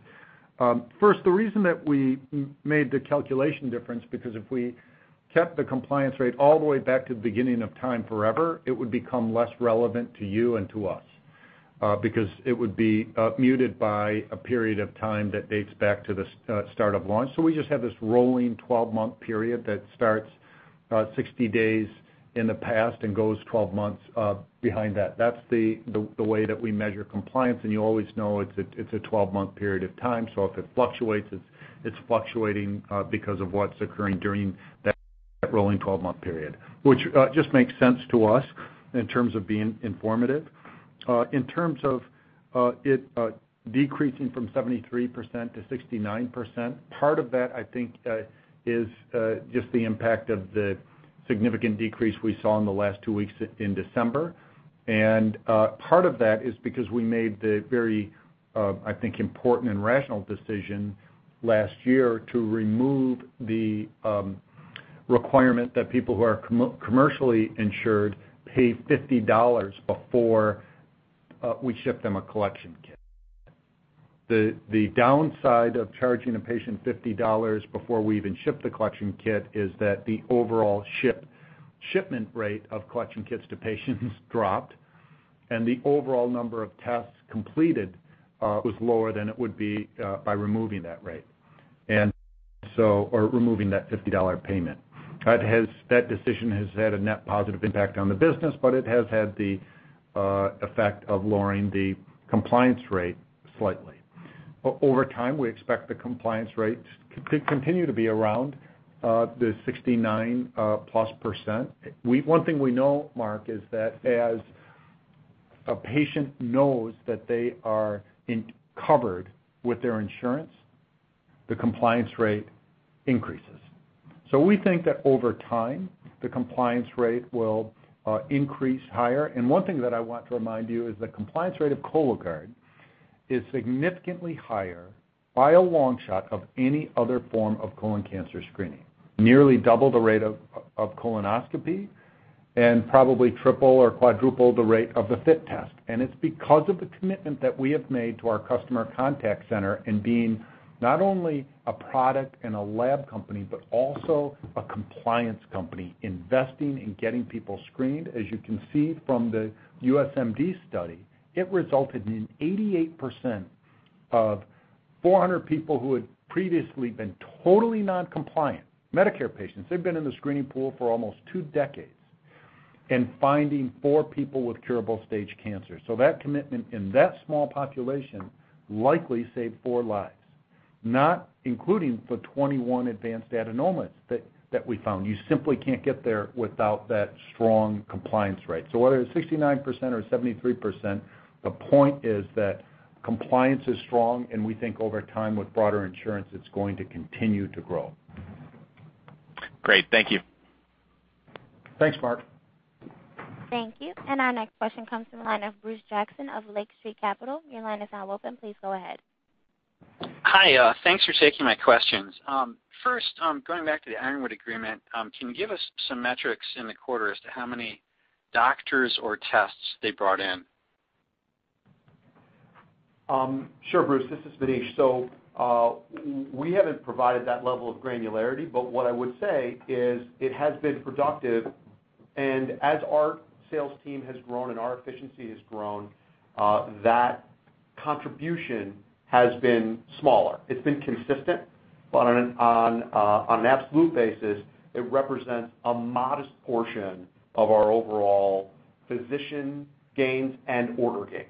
First, the reason that we made the calculation difference is because if we kept the compliance rate all the way back to the beginning of time forever, it would become less relevant to you and to us because it would be muted by a period of time that dates back to the start of launch. We just have this rolling 12-month period that starts 60 days in the past and goes 12 months behind that. That is the way that we measure compliance. You always know it is a 12-month period of time. If it fluctuates, it is fluctuating because of what is occurring during that rolling 12-month period, which just makes sense to us in terms of being informative. In terms of it decreasing from 73% to 69%, part of that, I think, is just the impact of the significant decrease we saw in the last two weeks in December. Part of that is because we made the very, I think, important and rational decision last year to remove the requirement that people who are commercially insured pay $50 before we ship them a collection kit. The downside of charging a patient $50 before we even ship the collection kit is that the overall shipment rate of collection kits to patients dropped, and the overall number of tests completed was lower than it would be by removing that rate or removing that $50 payment. That decision has had a net positive impact on the business, but it has had the effect of lowering the compliance rate slightly. Over time, we expect the compliance rate to continue to be around the 69% plus. One thing we know, Mark, is that as a patient knows that they are covered with their insurance, the compliance rate increases. We think that over time, the compliance rate will increase higher. One thing that I want to remind you is the compliance rate of Cologuard is significantly higher by a long shot of any other form of colon cancer screening, nearly double the rate of colonoscopy, and probably triple or quadruple the rate of the FIT test. It is because of the commitment that we have made to our customer contact center in being not only a product and a lab company, but also a compliance company investing in getting people screened. As you can see from the USMD study, it resulted in 88% of 400 people who had previously been totally non-compliant, Medicare patients, they've been in the screening pool for almost two decades, and finding four people with curable stage cancer. That commitment in that small population likely saved four lives, not including the 21 advanced adenomas that we found. You simply can't get there without that strong compliance rate. Whether it's 69% or 73%, the point is that compliance is strong. We think over time with broader insurance, it's going to continue to grow. Great. Thank you. Thanks, Mark. Thank you. Our next question comes from the line of Bruce Jackson of Lake Street Capital. Your line is now open. Please go ahead. Hi. Thanks for taking my questions. First, going back to the Ironwood agreement, can you give us some metrics in the quarter as to how many doctors or tests they brought in? Sure, Bruce. This is Maneesh. We haven't provided that level of granularity. What I would say is it has been productive. As our sales team has grown and our efficiency has grown, that contribution has been smaller. It has been consistent. On an absolute basis, it represents a modest portion of our overall physician gains and order gains.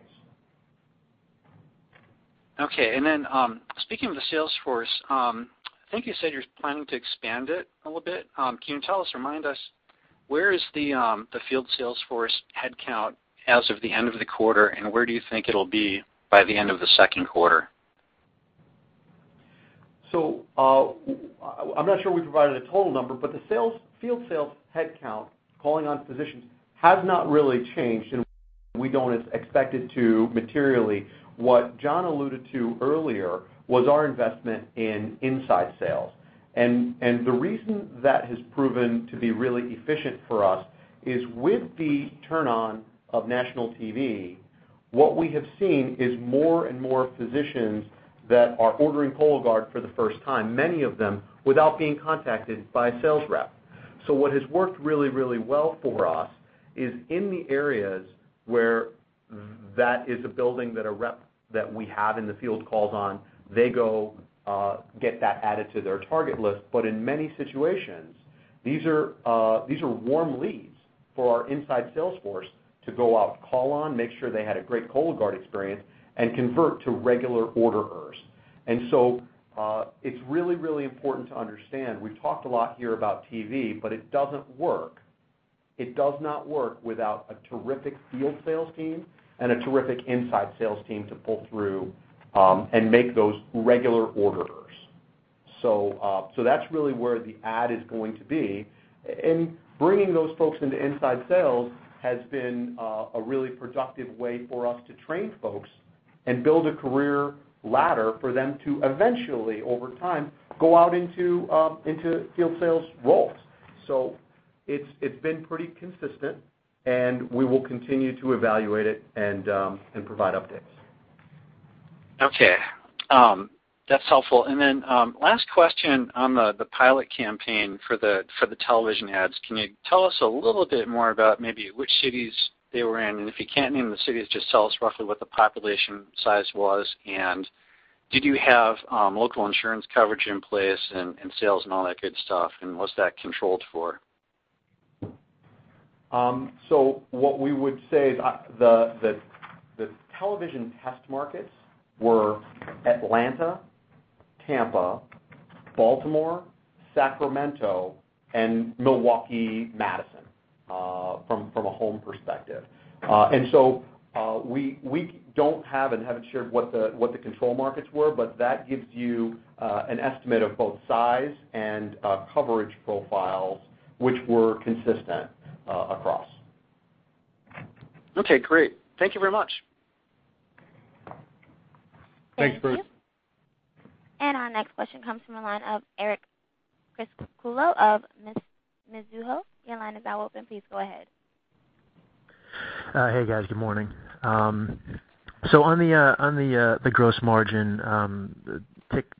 Okay. And then speaking of the sales force, I think you said you're planning to expand it a little bit. Can you tell us, remind us, where is the field sales force headcount as of the end of the quarter? Where do you think it'll be by the end of the second quarter? I'm not sure we provided a total number, but the field sales headcount calling on physicians has not really changed. We do not expect it to materially. What John alluded to earlier was our investment in inside sales. The reason that has proven to be really efficient for us is with the turn-on of national TV, what we have seen is more and more physicians that are ordering Cologuard for the first time, many of them without being contacted by a sales rep. What has worked really, really well for us is in the areas where that is a building that a rep that we have in the field calls on, they go get that added to their target list. In many situations, these are warm leads for our inside sales force to go out, call on, make sure they had a great Cologuard experience, and convert to regular orders. It is really, really important to understand. We have talked a lot here about TV, but it does not work. It does not work without a terrific field sales team and a terrific inside sales team to pull through and make those regular orders. That is really where the add is going to be. Bringing those folks into inside sales has been a really productive way for us to train folks and build a career ladder for them to eventually, over time, go out into field sales roles. It has been pretty consistent. We will continue to evaluate it and provide updates. Okay. That's helpful. Then last question on the pilot campaign for the television ads. Can you tell us a little bit more about maybe which cities they were in? If you can't name the cities, just tell us roughly what the population size was. Did you have local insurance coverage in place and sales and all that good stuff? Was that controlled for? What we would say is the television test markets were Atlanta, Tampa, Baltimore, Sacramento, and Milwaukee-Madison from a home perspective. We do not have and have not shared what the control markets were, but that gives you an estimate of both size and coverage profiles, which were consistent across. Okay. Great. Thank you very much. Thanks, Bruce. Our next question comes from the line of Eric Criscuolo of Mizuho. Your line is now open. Please go ahead. Hey, guys. Good morning. On the gross margin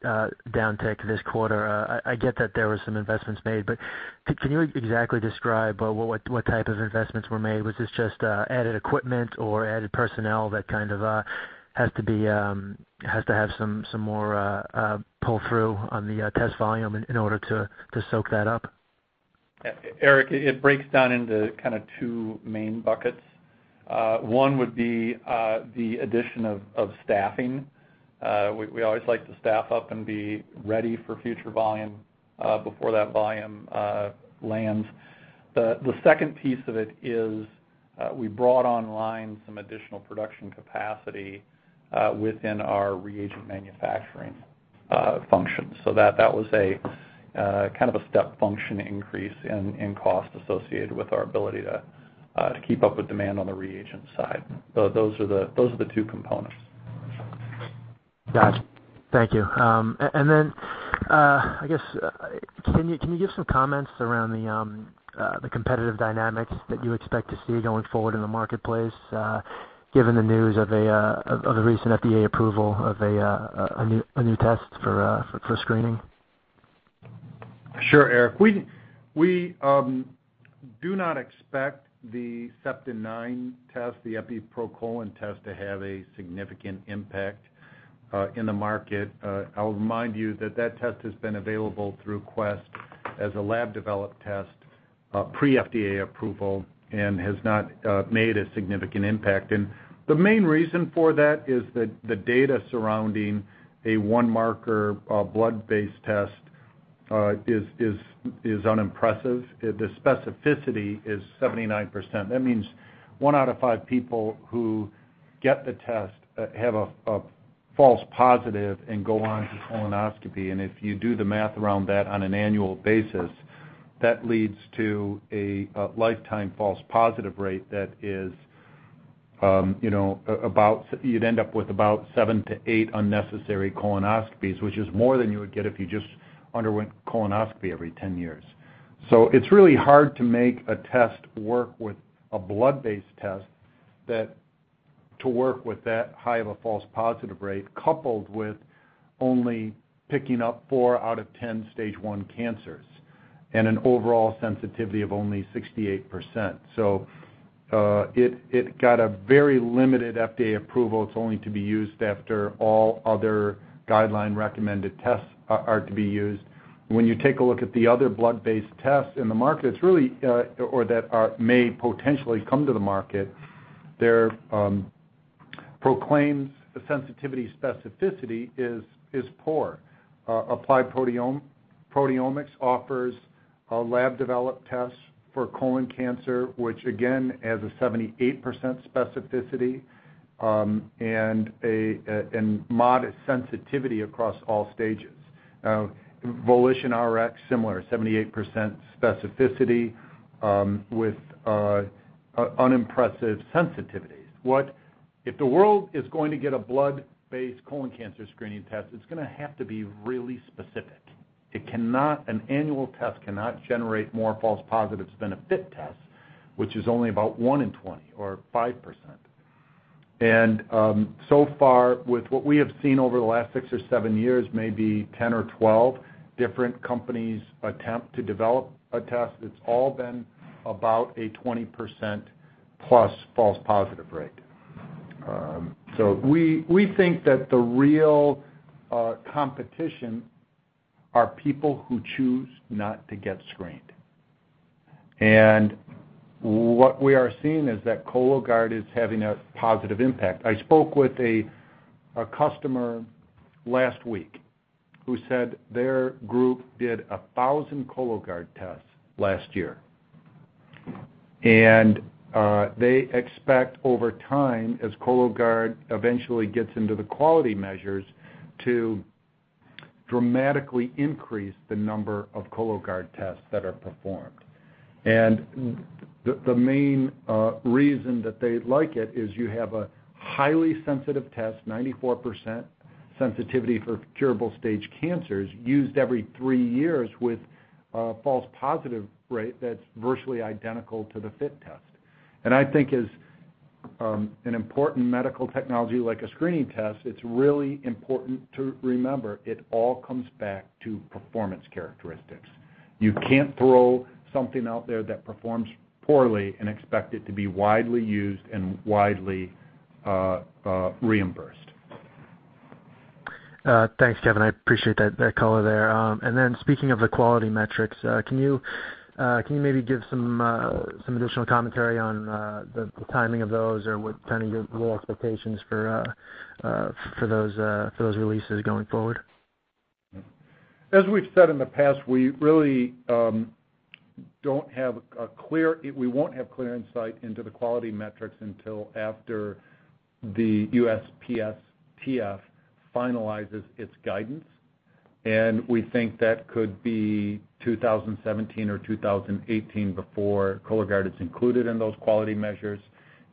downtick this quarter, I get that there were some investments made. Can you exactly describe what type of investments were made? Was this just added equipment or added personnel that kind of has to have some more pull-through on the test volume in order to soak that up? Eric, it breaks down into kind of two main buckets. One would be the addition of staffing. We always like to staff up and be ready for future volume before that volume lands. The second piece of it is we brought online some additional production capacity within our reagent manufacturing function. That was kind of a step function increase in cost associated with our ability to keep up with demand on the reagent side. Those are the two components. Got it. Thank you. I guess, can you give some comments around the competitive dynamics that you expect to see going forward in the marketplace given the news of a recent FDA approval of a new test for screening? Sure, Eric. We do not expect the SEPT9 test, the Epi proColon test, to have a significant impact in the market. I'll remind you that that test has been available through Quest as a lab-developed test pre-FDA approval and has not made a significant impact. The main reason for that is that the data surrounding a one-marker blood-based test is unimpressive. The specificity is 79%. That means one out of five people who get the test have a false positive and go on to colonoscopy. If you do the math around that on an annual basis, that leads to a lifetime false positive rate that is about you'd end up with about seven to eight unnecessary colonoscopies, which is more than you would get if you just underwent colonoscopy every 10 years. It's really hard to make a test work with a blood-based test to work with that high of a false positive rate coupled with only picking up four out of 10 stage I cancers and an overall sensitivity of only 68%. It got a very limited FDA approval. It's only to be used after all other guideline-recommended tests are to be used. When you take a look at the other blood-based tests in the market, or that may potentially come to the market, their proclaimed sensitivity specificity is poor. Applied Proteomics offers lab-developed tests for colon cancer, which again has a 78% specificity and modest sensitivity across all stages. VolitionRx, similar, 78% specificity with unimpressive sensitivities. If the world is going to get a blood-based colon cancer screening test, it's going to have to be really specific. An annual test cannot generate more false positives than a FIT test, which is only about 1 in 20 or 5%. So far, with what we have seen over the last six or seven years, maybe 10 or 12 different companies attempt to develop a test, it's all been about a +20% false positive rate. We think that the real competition are people who choose not to get screened. What we are seeing is that Cologuard is having a positive impact. I spoke with a customer last week who said their group did 1,000 Cologuard tests last year. They expect over time, as Cologuard eventually gets into the quality measures, to dramatically increase the number of Cologuard tests that are performed. The main reason that they like it is you have a highly sensitive test, 94% sensitivity for curable stage cancers used every three years with a false positive rate that's virtually identical to the FIT test. I think as an important medical technology like a screening test, it's really important to remember it all comes back to performance characteristics. You can't throw something out there that performs poorly and expect it to be widely used and widely reimbursed. Thanks, Kevin. I appreciate that color there. Speaking of the quality metrics, can you maybe give some additional commentary on the timing of those or what kind of your expectations for those releases going forward? As we've said in the past, we really don't have a clear, we won't have clear insight into the quality metrics until after the USPSTF finalizes its guidance. We think that could be 2017 or 2018 before Cologuard is included in those quality measures.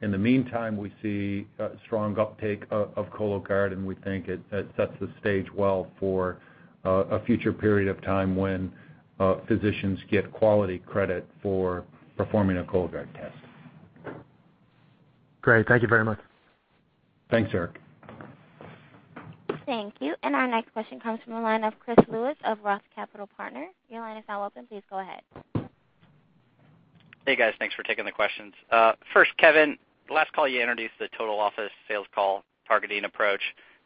In the meantime, we see a strong uptake of Cologuard. We think it sets the stage well for a future period of time when physicians get quality credit for performing a Cologuard test. Great. Thank you very much. Thanks, Eric. Thank you. Our next question comes from the line of Chris Lewis of Roth Capital Partners. Your line is now open. Please go ahead. Hey, guys. Thanks for taking the questions. First, Kevin, last call you introduced the total office sales call targeting approach.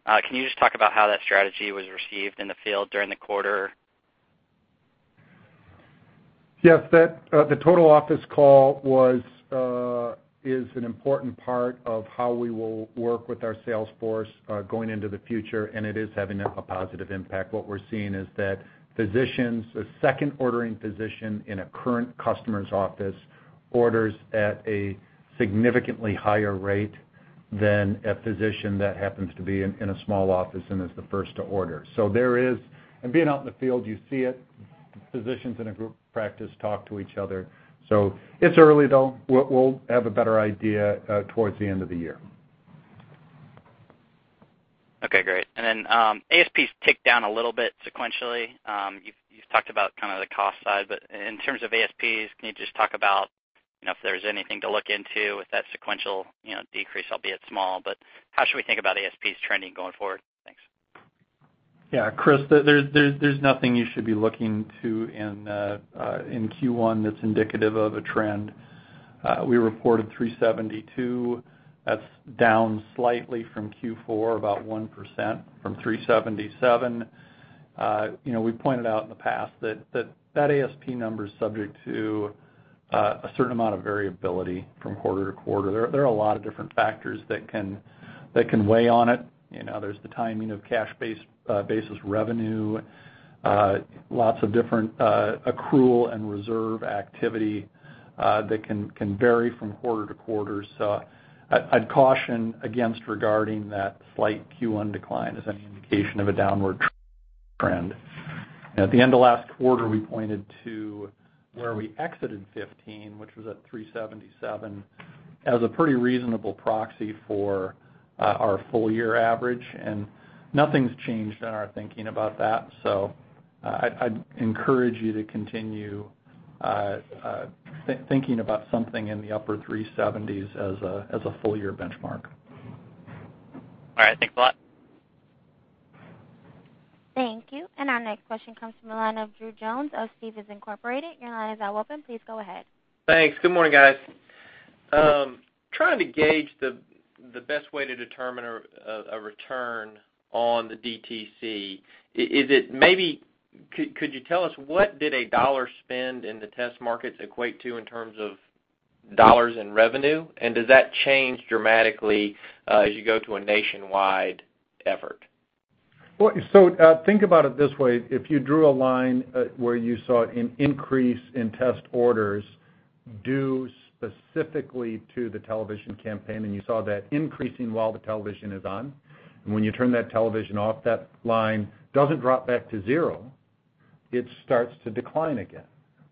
Can you just talk about how that strategy was received in the field during the quarter? Yes. The total office call is an important part of how we will work with our sales force going into the future. It is having a positive impact. What we're seeing is that physicians, a second-ordering physician in a current customer's office, orders at a significantly higher rate than a physician that happens to be in a small office and is the first to order. There is, and being out in the field, you see it. Physicians in a group practice talk to each other. It is early, though. We'll have a better idea towards the end of the year. Okay. Great. ASPs tick down a little bit sequentially. You've talked about kind of the cost side. In terms of ASPs, can you just talk about if there's anything to look into with that sequential decrease, albeit small? How should we think about ASPs trending going forward? Thanks. Yeah. Chris, there's nothing you should be looking to in Q1 that's indicative of a trend. We reported 372. That's down slightly from Q4, about 1% from 377. We pointed out in the past that that ASP number is subject to a certain amount of variability from quarter to quarter. There are a lot of different factors that can weigh on it. There's the timing of cash-basis revenue, lots of different accrual and reserve activity that can vary from quarter to quarter. I would caution against regarding that slight Q1 decline as any indication of a downward trend. At the end of last quarter, we pointed to where we exited 2015, which was at 377, as a pretty reasonable proxy for our full-year average. Nothing's changed in our thinking about that. I would encourage you to continue thinking about something in the upper 370s as a full-year benchmark. All right. Thanks a lot. Thank you. Our next question comes from the line of Drew Jones of Stephens Inc. Your line is now open. Please go ahead. Thanks. Good morning, guys. Trying to gauge the best way to determine a return on the DTC. Could you tell us what did a dollar spend in the test markets equate to in terms of dollars in revenue? Does that change dramatically as you go to a nationwide effort? Think about it this way. If you drew a line where you saw an increase in test orders due specifically to the television campaign, and you saw that increasing while the television is on. When you turn that television off, that line does not drop back to zero. It starts to decline again.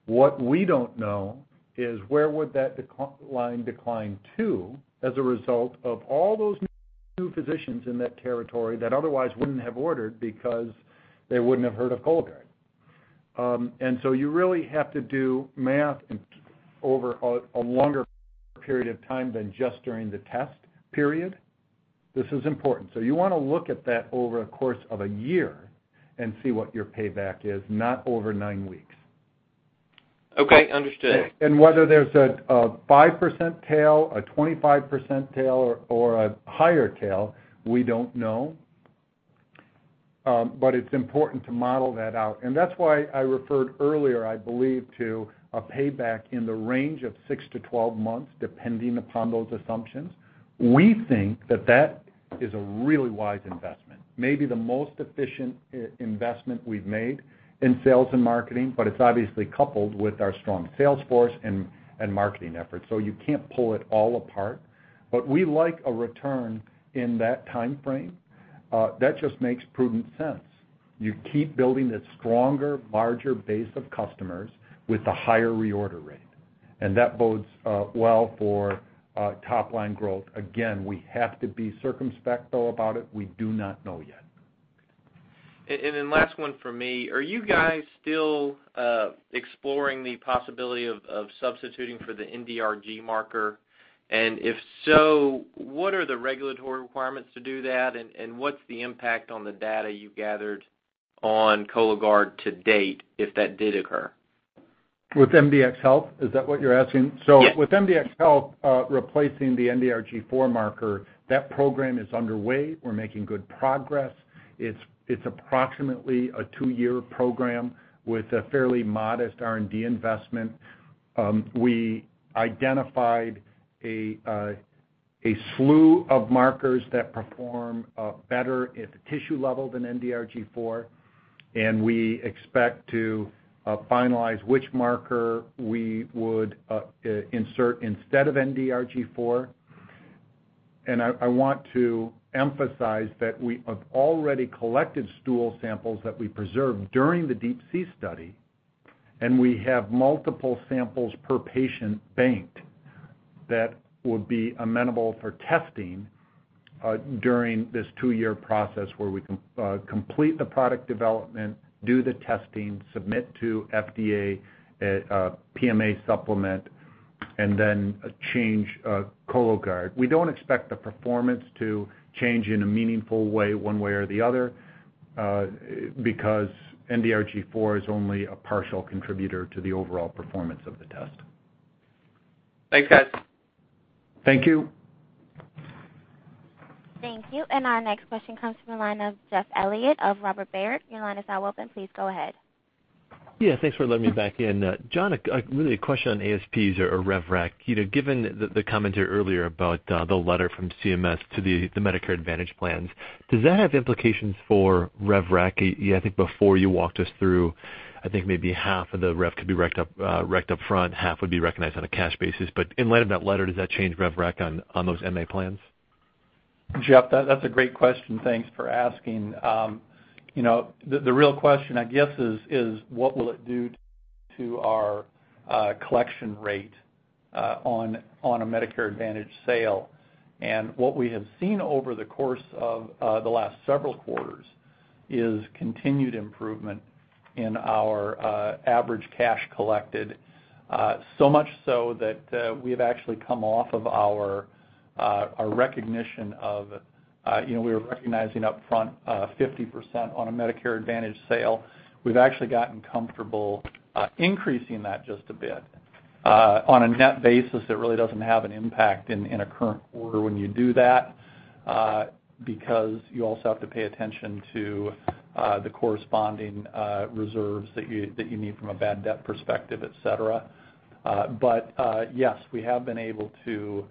What we do not know is where that line would decline to as a result of all those new physicians in that territory that otherwise would not have ordered because they would not have heard of Cologuard. You really have to do math over a longer period of time than just during the test period. This is important. You want to look at that over the course of a year and see what your payback is, not over nine weeks. Okay. Understood. Whether there is a 5% tail, a 25% tail, or a higher tail, we do not know. It is important to model that out. That is why I referred earlier, I believe, to a payback in the range of 6-12 months depending upon those assumptions. We think that is a really wise investment, maybe the most efficient investment we have made in sales and marketing. It is obviously coupled with our strong sales force and marketing efforts. You cannot pull it all apart. We like a return in that time frame. That just makes prudent sense. You keep building a stronger, larger base of customers with a higher reorder rate. That bodes well for top-line growth. Again, we have to be circumspect, though, about it. We do not know yet. Last one for me. Are you guys still exploring the possibility of substituting for the NDRG4 marker? If so, what are the regulatory requirements to do that? What's the impact on the data you gathered on Cologuard to date if that did occur? With MDxHealth, is that what you're asking? Yes. With MDxHealth replacing the NDRG4 marker, that program is underway. We're making good progress. It's approximately a two-year program with a fairly modest R&D investment. We identified a slew of markers that perform better at the tissue level than NDRG4. We expect to finalize which marker we would insert instead of NDRG4. I want to emphasize that we have already collected stool samples that we preserved during the DeeP-C study. We have multiple samples per patient banked that would be amenable for testing during this two-year process where we complete the product development, do the testing, submit to FDA, PMA supplement, and then change Cologuard. We don't expect the performance to change in a meaningful way one way or the other because NDRG4 is only a partial contributor to the overall performance of the test. Thanks, guys. Thank you. Thank you. Our next question comes from the line of Jeff Elliott of Robert W. Baird. Your line is now open. Please go ahead. Yeah. Thanks for letting me back in. John, really a question on ASPs or REV-REC. Given the commentary earlier about the letter from CMS to the Medicare Advantage plans, does that have implications for REV-REC? I think before you walked us through, I think maybe half of the REV could be wrecked upfront. Half would be recognized on a cash basis. In light of that letter, does that change REV-REC on those MA plans? Jeff, that's a great question. Thanks for asking. The real question, I guess, is what will it do to our collection rate on a Medicare Advantage sale? What we have seen over the course of the last several quarters is continued improvement in our average cash collected, so much so that we have actually come off of our recognition of we were recognizing upfront 50% on a Medicare Advantage sale. We've actually gotten comfortable increasing that just a bit. On a net basis, it really doesn't have an impact in a current quarter when you do that because you also have to pay attention to the corresponding reserves that you need from a bad debt perspective, etc. Yes, we have been able to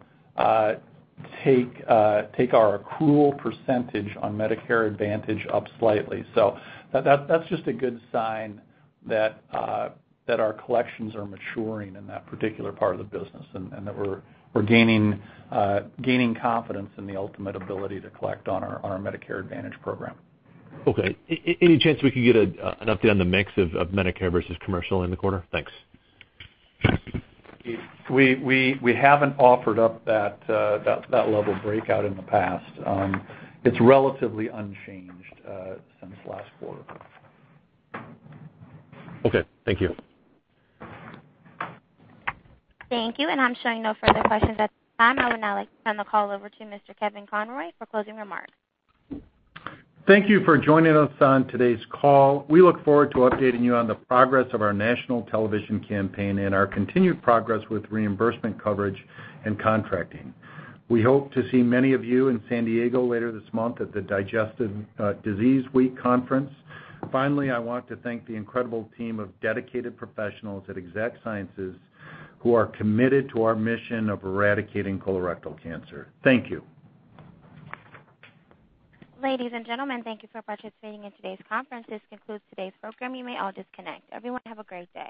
take our accrual percentage on Medicare Advantage up slightly. That's just a good sign that our collections are maturing in that particular part of the business and that we're gaining confidence in the ultimate ability to collect on our Medicare Advantage program. Okay. Any chance we could get an update on the mix of Medicare versus commercial in the quarter? Thanks. We haven't offered up that level breakout in the past. It's relatively unchanged since last quarter. Okay. Thank you. Thank you. I am showing no further questions at this time. I would now like to turn the call over to Mr. Kevin Conroy for closing remarks. Thank you for joining us on today's call. We look forward to updating you on the progress of our national television campaign and our continued progress with reimbursement coverage and contracting. We hope to see many of you in San Diego later this month at the Digestive Disease Week conference. Finally, I want to thank the incredible team of dedicated professionals at Exact Sciences who are committed to our mission of eradicating colorectal cancer. Thank you. Ladies and gentlemen, thank you for participating in today's conference. This concludes today's program. You may all disconnect. Everyone, have a great day.